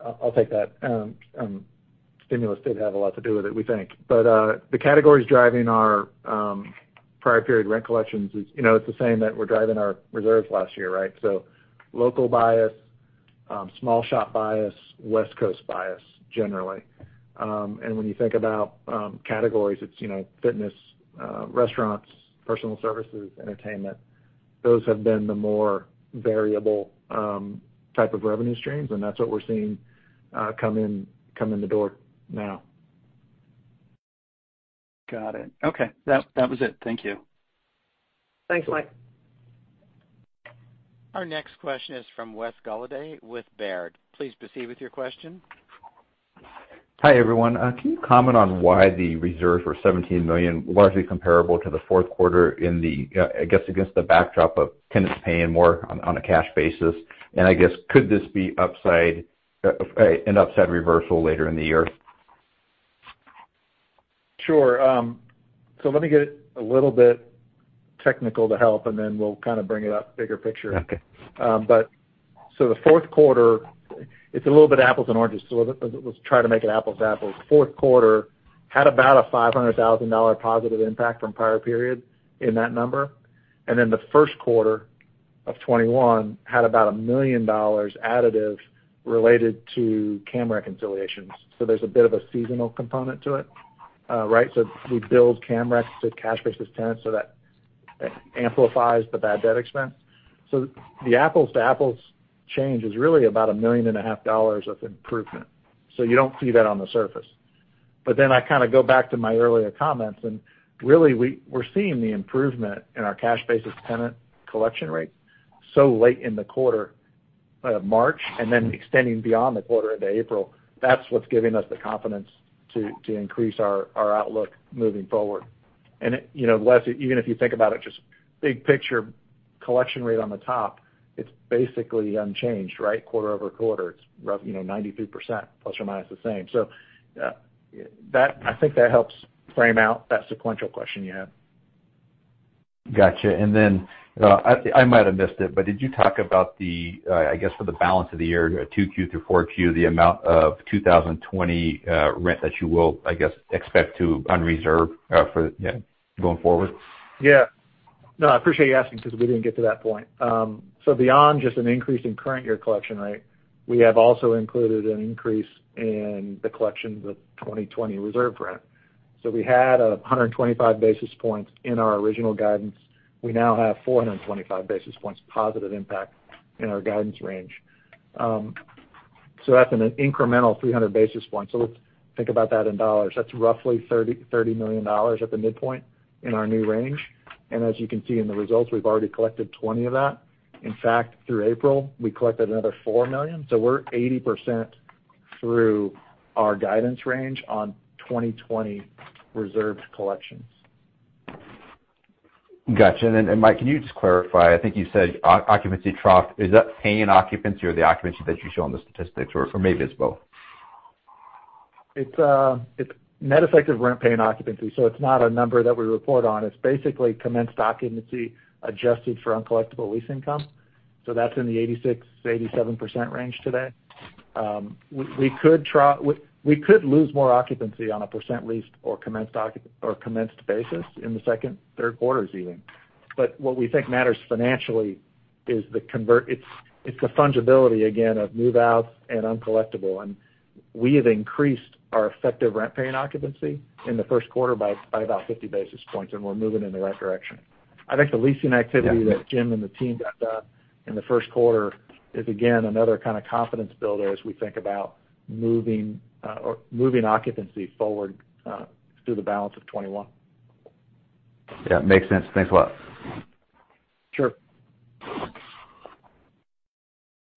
I'll take that. Stimulus did have a lot to do with it, we think. The categories driving our prior period rent collections, it's the same that were driving our reserves last year, right? Local bias, small shop bias, West Coast bias, generally. When you think about categories, it's fitness, restaurants, personal services, entertainment. Those have been the more variable type of revenue streams, and that's what we're seeing come in the door now. Got it. Okay. That was it. Thank you. Thanks, Mike. Our next question is from Wes Golladay with Baird. Please proceed with your question. Hi, everyone. Can you comment on why the reserves were $17 million, largely comparable to the fourth quarter, I guess, against the backdrop of tenants paying more on a cash basis? I guess, could this be an upside reversal later in the year? Sure. Let me get a little bit technical to help. Then we'll kind of bring it up bigger picture. Okay. The fourth quarter, it's a little bit apples and oranges, so let's try to make it apples to apples. Fourth quarter had about a $500,000 positive impact from prior period in that number. The first quarter of 2021 had about $1 million additive related to CAM reconciliations. There's a bit of a seasonal component to it, right? We bill CAM recs to cash basis tenants, so that amplifies the bad debt expense. The apples-to-apples change is really about $1.5 million of improvement. You don't see that on the surface. I go back to my earlier comments, and really, we're seeing the improvement in our cash basis tenant collection rate so late in the quarter of March, and then extending beyond the quarter into April. That's what's giving us the confidence to increase our outlook moving forward. Wes, even if you think about it, just big picture collection rate on the top, it's basically unchanged, right, quarter-over-quarter. It's 93% ± the same. I think that helps frame out that sequential question you had. Got you. I might've missed it, but did you talk about the, I guess, for the balance of the year, 2Q through 4Q, the amount of 2020 rent that you will, I guess, expect to unreserve for going forward? Yeah. No, I appreciate you asking because we didn't get to that point. Beyond just an increase in current year collection rate, we have also included an increase in the collection of the 2020 reserve rent. We had 125 basis points in our original guidance. We now have 425 basis points positive impact in our guidance range. That's an incremental 300 basis points. Let's think about that in dollars. That's roughly $30 million at the midpoint in our new range. As you can see in the results, we've already collected $20 million of that. In fact, through April, we collected another $4 million. We're 80% through our guidance range on 2020 reserves collections. Got you. Mike, can you just clarify, I think you said occupancy trough, is that paying occupancy or the occupancy that you show on the statistics? Or maybe it's both. It's net effective rent paying occupancy. It's not a number that we report on. It's basically commenced occupancy adjusted for uncollectible lease income. That's in the 86%-87% range today. We could lose more occupancy on a percent leased or commenced basis in the second, third quarters even. What we think matters financially is the fungibility, again, of move-outs and uncollectible. We have increased our effective rent-paying occupancy in the first quarter by about 50 basis points, and we're moving in the right direction. I think the leasing activity that Jim and the team got done in the first quarter is, again, another kind of confidence builder as we think about moving occupancy forward through the balance of 2021. Yeah, makes sense. Thanks a lot. Sure.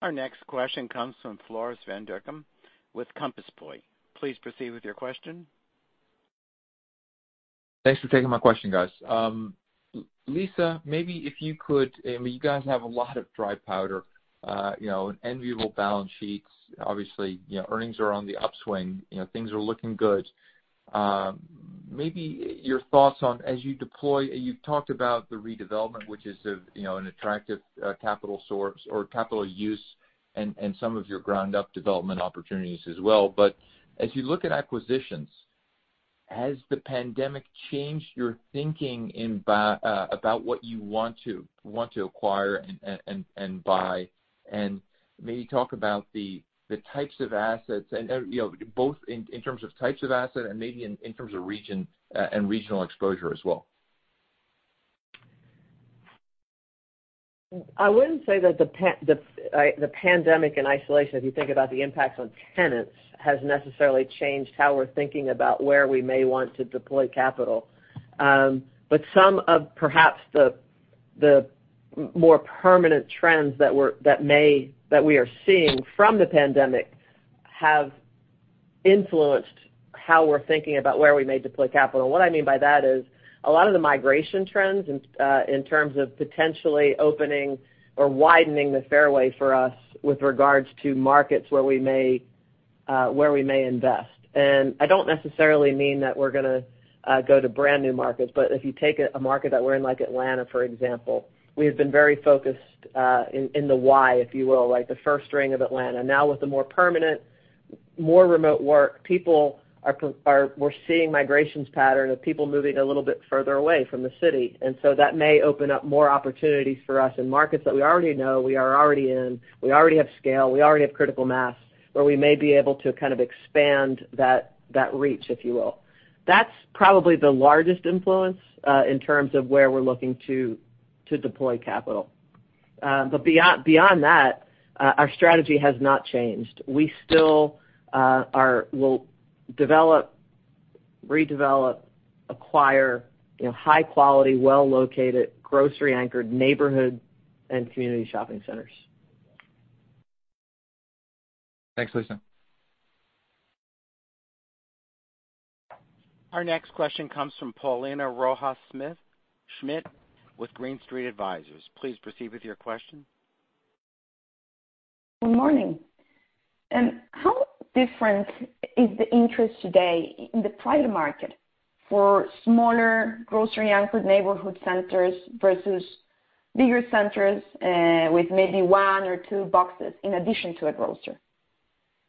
Our next question comes from Floris van Dijkum with Compass Point. Please proceed with your question. Thanks for taking my question, guys. Lisa, you guys have a lot of dry powder, an enviable balance sheets. Obviously, earnings are on the upswing. Things are looking good. Maybe your thoughts on as you deploy, you've talked about the redevelopment, which is an attractive capital source or capital use and some of your ground up development opportunities as well. As you look at acquisitions, has the pandemic changed your thinking about what you want to acquire and buy? Maybe talk about the types of assets and both in terms of types of asset and maybe in terms of region and regional exposure as well. I wouldn't say that the pandemic in isolation, if you think about the impacts on tenants, has necessarily changed how we're thinking about where we may want to deploy capital. Some of perhaps the more permanent trends that we are seeing from the pandemic have influenced how we're thinking about where we may deploy capital. What I mean by that is a lot of the migration trends in terms of potentially opening or widening the fairway for us with regards to markets where we may invest. I don't necessarily mean that we're going to go to brand new markets, but if you take a market that we're in, like Atlanta, for example, we have been very focused in the Y, if you will, like the first ring of Atlanta. Now with the more permanent, more remote work, we're seeing migrations pattern of people moving a little bit further away from the city. That may open up more opportunities for us in markets that we already know, we are already in, we already have scale, we already have critical mass, where we may be able to kind of expand that reach, if you will. That's probably the largest influence in terms of where we're looking to deploy capital. Beyond that, our strategy has not changed. We still will develop, redevelop, acquire high quality, well-located, grocery-anchored neighborhood and community shopping centers. Thanks, Lisa. Our next question comes from Paulina Rojas Schmidt with Green Street Advisors. Please proceed with your question. Good morning. How different is the interest today in the private market for smaller grocery-anchored neighborhood centers versus bigger centers with maybe one or two boxes in addition to a grocer?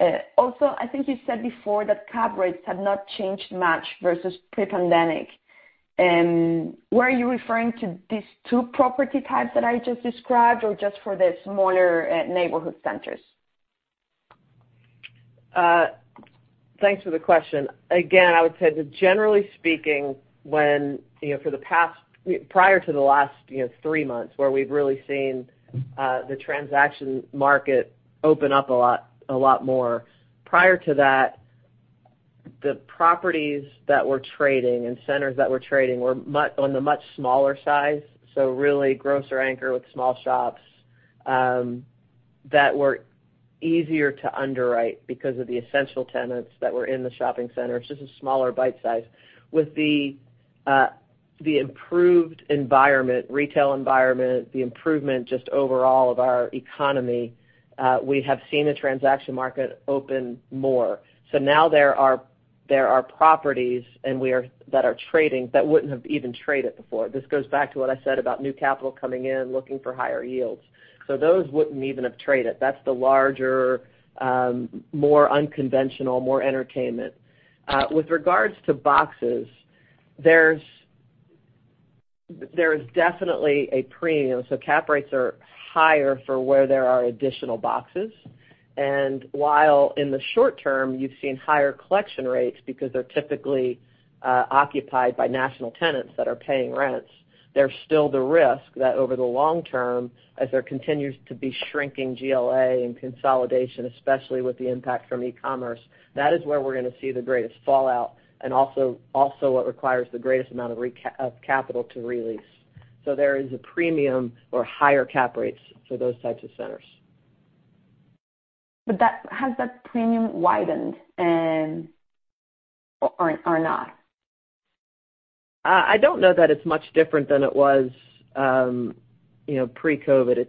I think you said before that cap rates have not changed much versus pre-pandemic. Were you referring to these two property types that I just described, or just for the smaller neighborhood centers? Thanks for the question. I would say that generally speaking, prior to the last three months where we've really seen the transaction market open up a lot more, prior to that, the properties that were trading and centers that were trading were on the much smaller size. Really grocery anchor with small shops, that were easier to underwrite because of the essential tenants that were in the shopping center. It's just a smaller bite size. With the improved retail environment, the improvement just overall of our economy, we have seen the transaction market open more. Now there are properties that are trading that wouldn't have even traded before. This goes back to what I said about new capital coming in, looking for higher yields. Those wouldn't even have traded. That's the larger, more unconventional, more entertainment. With regards to boxes, there is definitely a premium. Cap rates are higher for where there are additional boxes. While in the short term, you've seen higher collection rates because they're typically occupied by national tenants that are paying rents, there's still the risk that over the long term, as there continues to be shrinking GLA and consolidation, especially with the impact from e-commerce, that is where we're going to see the greatest fallout, and also what requires the greatest amount of capital to re-lease. There is a premium or higher cap rates for those types of centers. Has that premium widened or not? I don't know that it's much different than it was pre-COVID-19.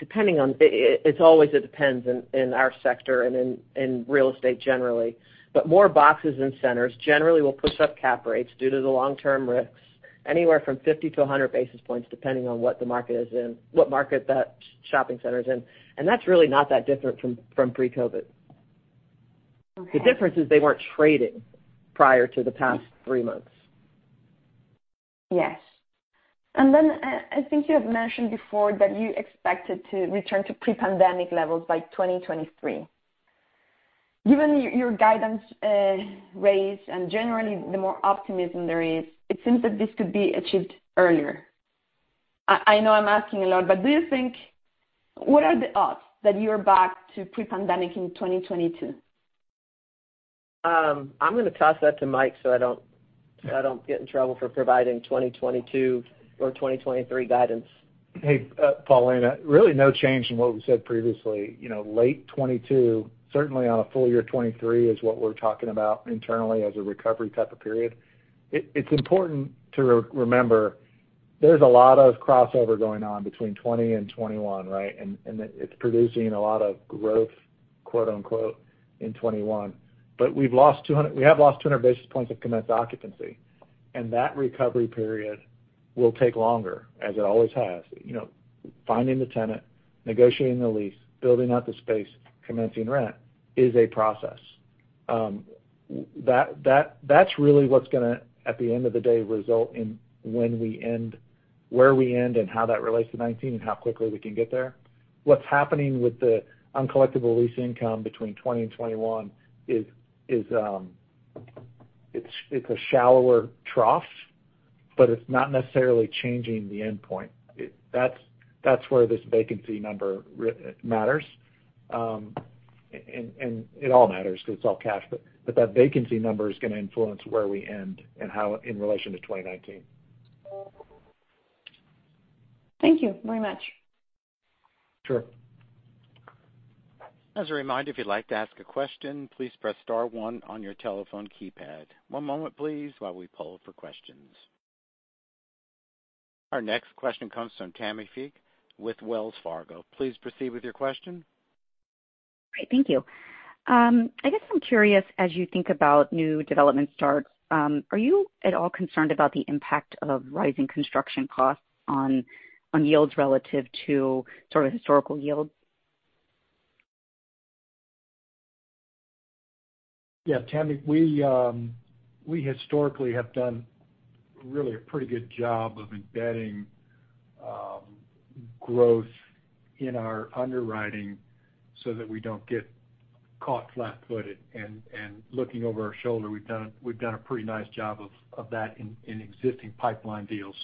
It's always a depends in our sector and in real estate generally. More boxes and centers generally will push up cap rates due to the long-term risks, anywhere from 50 to 100 basis points, depending on what market that shopping center is in. That's really not that different from pre-COVID-19. The difference is they weren't trading prior to the past three months. Yes. Then I think you have mentioned before that you expected to return to pre-pandemic levels by 2023. Given your guidance raised and generally the more optimism there is, it seems that this could be achieved earlier. I know I'm asking a lot, but what are the odds that you are back to pre-pandemic in 2022? I'm going to toss that to Mike so I don't get in trouble for providing 2022 or 2023 guidance. Paulina. Really no change from what we said previously. Late 2022, certainly on a full year 2023 is what we're talking about internally as a recovery type of period. It's important to remember there's a lot of crossover going on between 2020 and 2021, right? It's producing a lot of growth, quote unquote, in 2021. We have lost 200 basis points of commenced occupancy, and that recovery period will take longer, as it always has. Finding the tenant, negotiating the lease, building out the space, commencing rent is a process. That's really what's going to, at the end of the day, result in where we end and how that relates to 2019 and how quickly we can get there. What's happening with the uncollectible lease income between 2020 and 2021 is, it's a shallower trough, but it's not necessarily changing the end point. That's where this vacancy number matters. It all matters because it's all cash, but that vacancy number is going to influence where we end and how in relation to 2019. Thank you very much. Sure. As a reminder, if you'd like to ask a question, please press star one on your telephone keypad. One moment, please, while we poll for questions. Our next question comes from Tammi Fique with Wells Fargo. Please proceed with your question. Great. Thank you. I guess I'm curious, as you think about new development starts, are you at all concerned about the impact of rising construction costs on yields relative to sort of historical yields? Yeah, Tammi. We historically have done really a pretty good job of embedding growth in our underwriting so that we don't get caught flat-footed. Looking over our shoulder, we've done a pretty nice job of that in existing pipeline deals.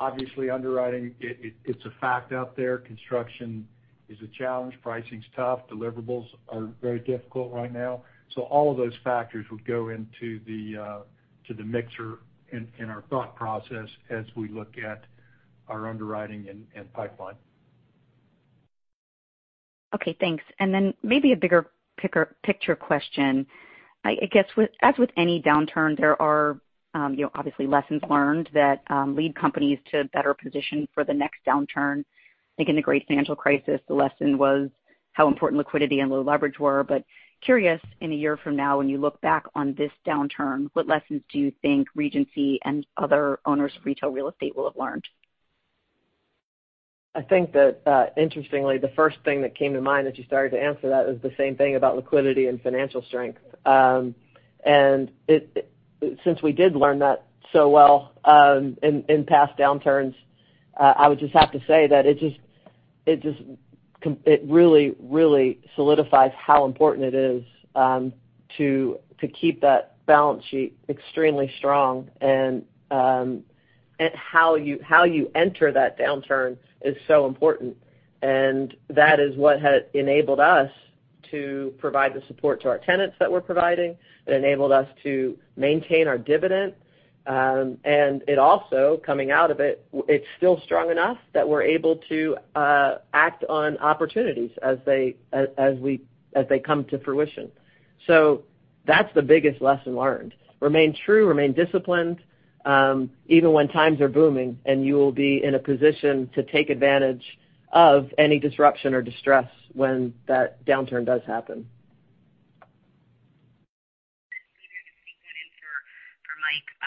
Obviously underwriting, it's a fact out there. Construction is a challenge. Pricing's tough. Deliverables are very difficult right now. All of those factors would go into the mixer in our thought process as we look at our underwriting and pipeline. Okay, thanks. Then maybe a bigger picture question. I guess as with any downturn, there are obviously lessons learned that lead companies to better position for the next downturn. I think in the great financial crisis, the lesson was how important liquidity and low leverage were. Curious, in a year from now, when you look back on this downturn, what lessons do you think Regency and other owners of retail real estate will have learned? I think that interestingly, the first thing that came to mind as you started to answer that was the same thing about liquidity and financial strength. Since we did learn that so well in past downturns, I would just have to say that it really solidifies how important it is to keep that balance sheet extremely strong and how you enter that downturn is so important. That is what has enabled us to provide the support to our tenants that we're providing. It enabled us to maintain our dividend. It also, coming out of it's still strong enough that we're able to act on opportunities as they come to fruition. That's the biggest lesson learned. Remain true, remain disciplined, even when times are booming, and you will be in a position to take advantage of any disruption or distress when that downturn does happen.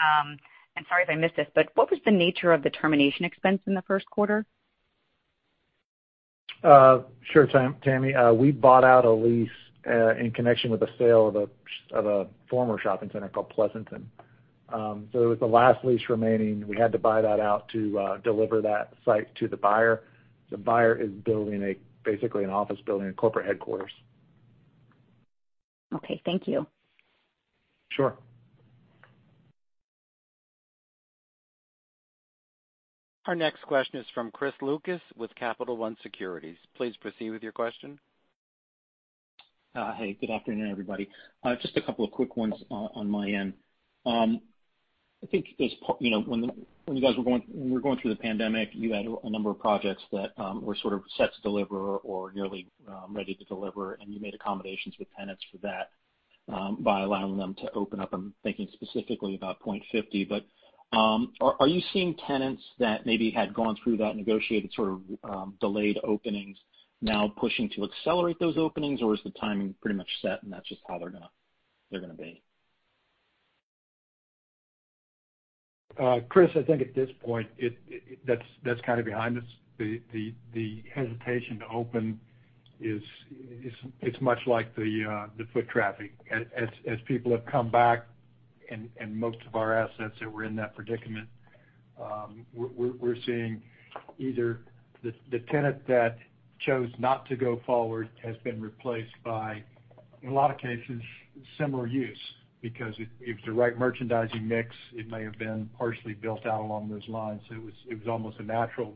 Lisa, I can sneak that in for Mike. I'm sorry if I missed this, what was the nature of the termination expense in the first quarter? Sure, Tammi. We bought out a lease in connection with the sale of a former shopping center called Pleasanton. It was the last lease remaining. We had to buy that out to deliver that site to the buyer. The buyer is building basically an office building and corporate headquarters. Okay. Thank you. Sure. Our next question is from Chris Lucas with Capital One Securities. Please proceed with your question. Hey, good afternoon, everybody. Just a couple of quick ones on my end. I think when you guys were going through the pandemic, you had a number of projects that were sort of set to deliver or nearly ready to deliver, and you made accommodations with tenants for that by allowing them to open up. I'm thinking specifically about Point 50, but are you seeing tenants that maybe had gone through that negotiated sort of delayed openings now pushing to accelerate those openings, or is the timing pretty much set and that's just how they're going to be? Chris, I think at this point, that's kind of behind us. The hesitation to open is much like the foot traffic. As people have come back in most of our assets that were in that predicament, we're seeing either the tenant that chose not to go forward has been replaced by, in a lot of cases, similar use, because it was the right merchandising mix. It may have been partially built out along those lines. It was almost a natural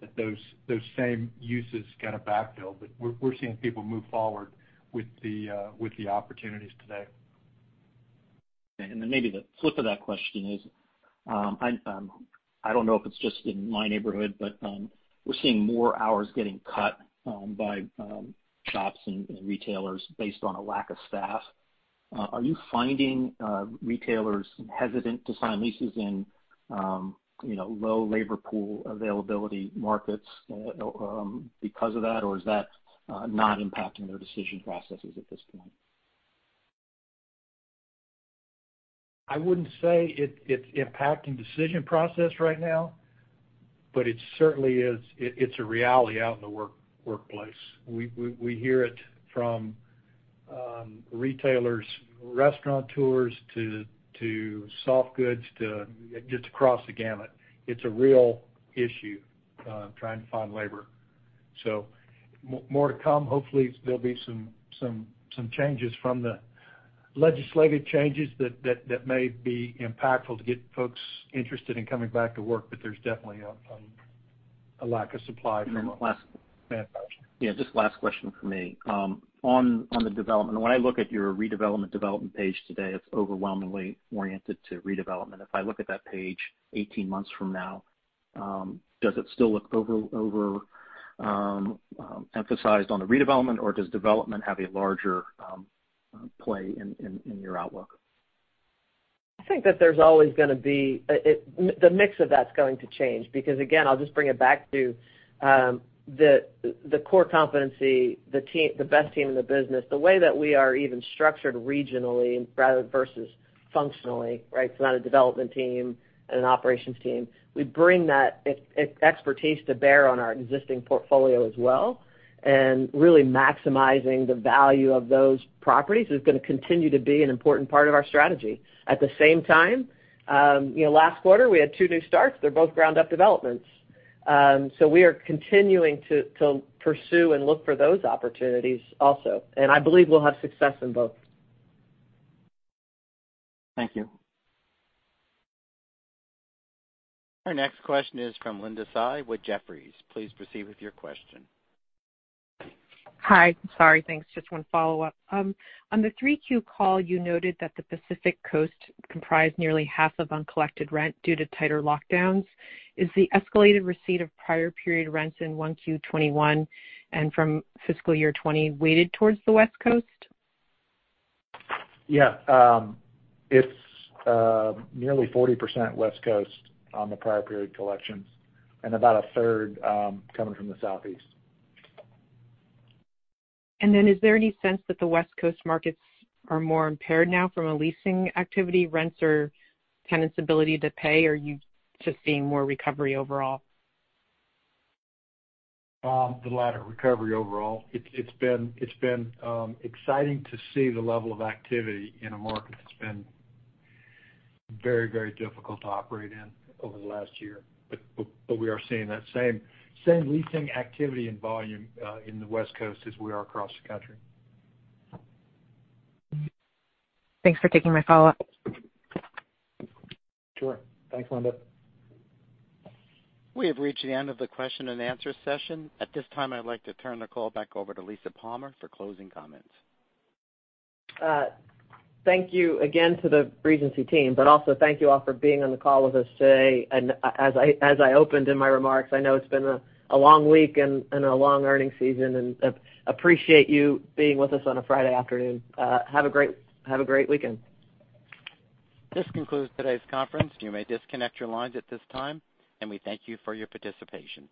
that those same uses kind of backfill. We're seeing people move forward with the opportunities today. Maybe the flip of that question is, I don't know if it's just in my neighborhood, but we're seeing more hours getting cut by shops and retailers based on a lack of staff. Are you finding retailers hesitant to sign leases in low labor pool availability markets because of that, or is that not impacting their decision processes at this point? I wouldn't say it's impacting decision process right now, but it certainly is a reality out in the workplace. We hear it from retailers, restaurateurs to soft goods, just across the gamut. It's a real issue trying to find labor. More to come. Hopefully, there'll be some changes from the legislative changes that may be impactful to get folks interested in coming back to work, but there's definitely a lack of supply for the most part. Last question. Just last question from me. On the development, when I look at your redevelopment development page today, it's overwhelmingly oriented to redevelopment. If I look at that page 18 months from now, does it still look overemphasized on the redevelopment, or does development have a larger play in your outlook? I think that the mix of that's going to change because, again, I'll just bring it back to the core competency, the best team in the business. The way that we are even structured regionally versus functionally, right? Not a development team and an operations team. We bring that expertise to bear on our existing portfolio as well, and really maximizing the value of those properties is going to continue to be an important part of our strategy. At the same time, last quarter, we had two new starts. They're both ground-up developments. We are continuing to pursue and look for those opportunities also. I believe we'll have success in both. Thank you. Our next question is from Linda Tsai with Jefferies. Please proceed with your question. Hi. Sorry. Thanks. Just one follow-up. On the 3Q call, you noted that the Pacific Coast comprised nearly half of uncollected rent due to tighter lockdowns. Is the escalated receipt of prior period rents in 1Q21 and from fiscal year 2020 weighted towards the West Coast? Yeah. It's nearly 40% West Coast on the prior period collections, and about a third coming from the Southeast. Is there any sense that the West Coast markets are more impaired now from a leasing activity rents or tenants' ability to pay, or are you just seeing more recovery overall? The latter, recovery overall. It's been exciting to see the level of activity in a market that's been very difficult to operate in over the last year. We are seeing that same leasing activity and volume in the West Coast as we are across the country. Thanks for taking my follow-up. Sure. Thanks, Linda. We have reached the end of the question and answer session. At this time, I'd like to turn the call back over to Lisa Palmer for closing comments. Thank you again to the Regency team, but also thank you all for being on the call with us today. As I opened in my remarks, I know it's been a long week and a long earnings season, and appreciate you being with us on a Friday afternoon. Have a great weekend. This concludes today's conference. You may disconnect your lines at this time, and we thank you for your participation.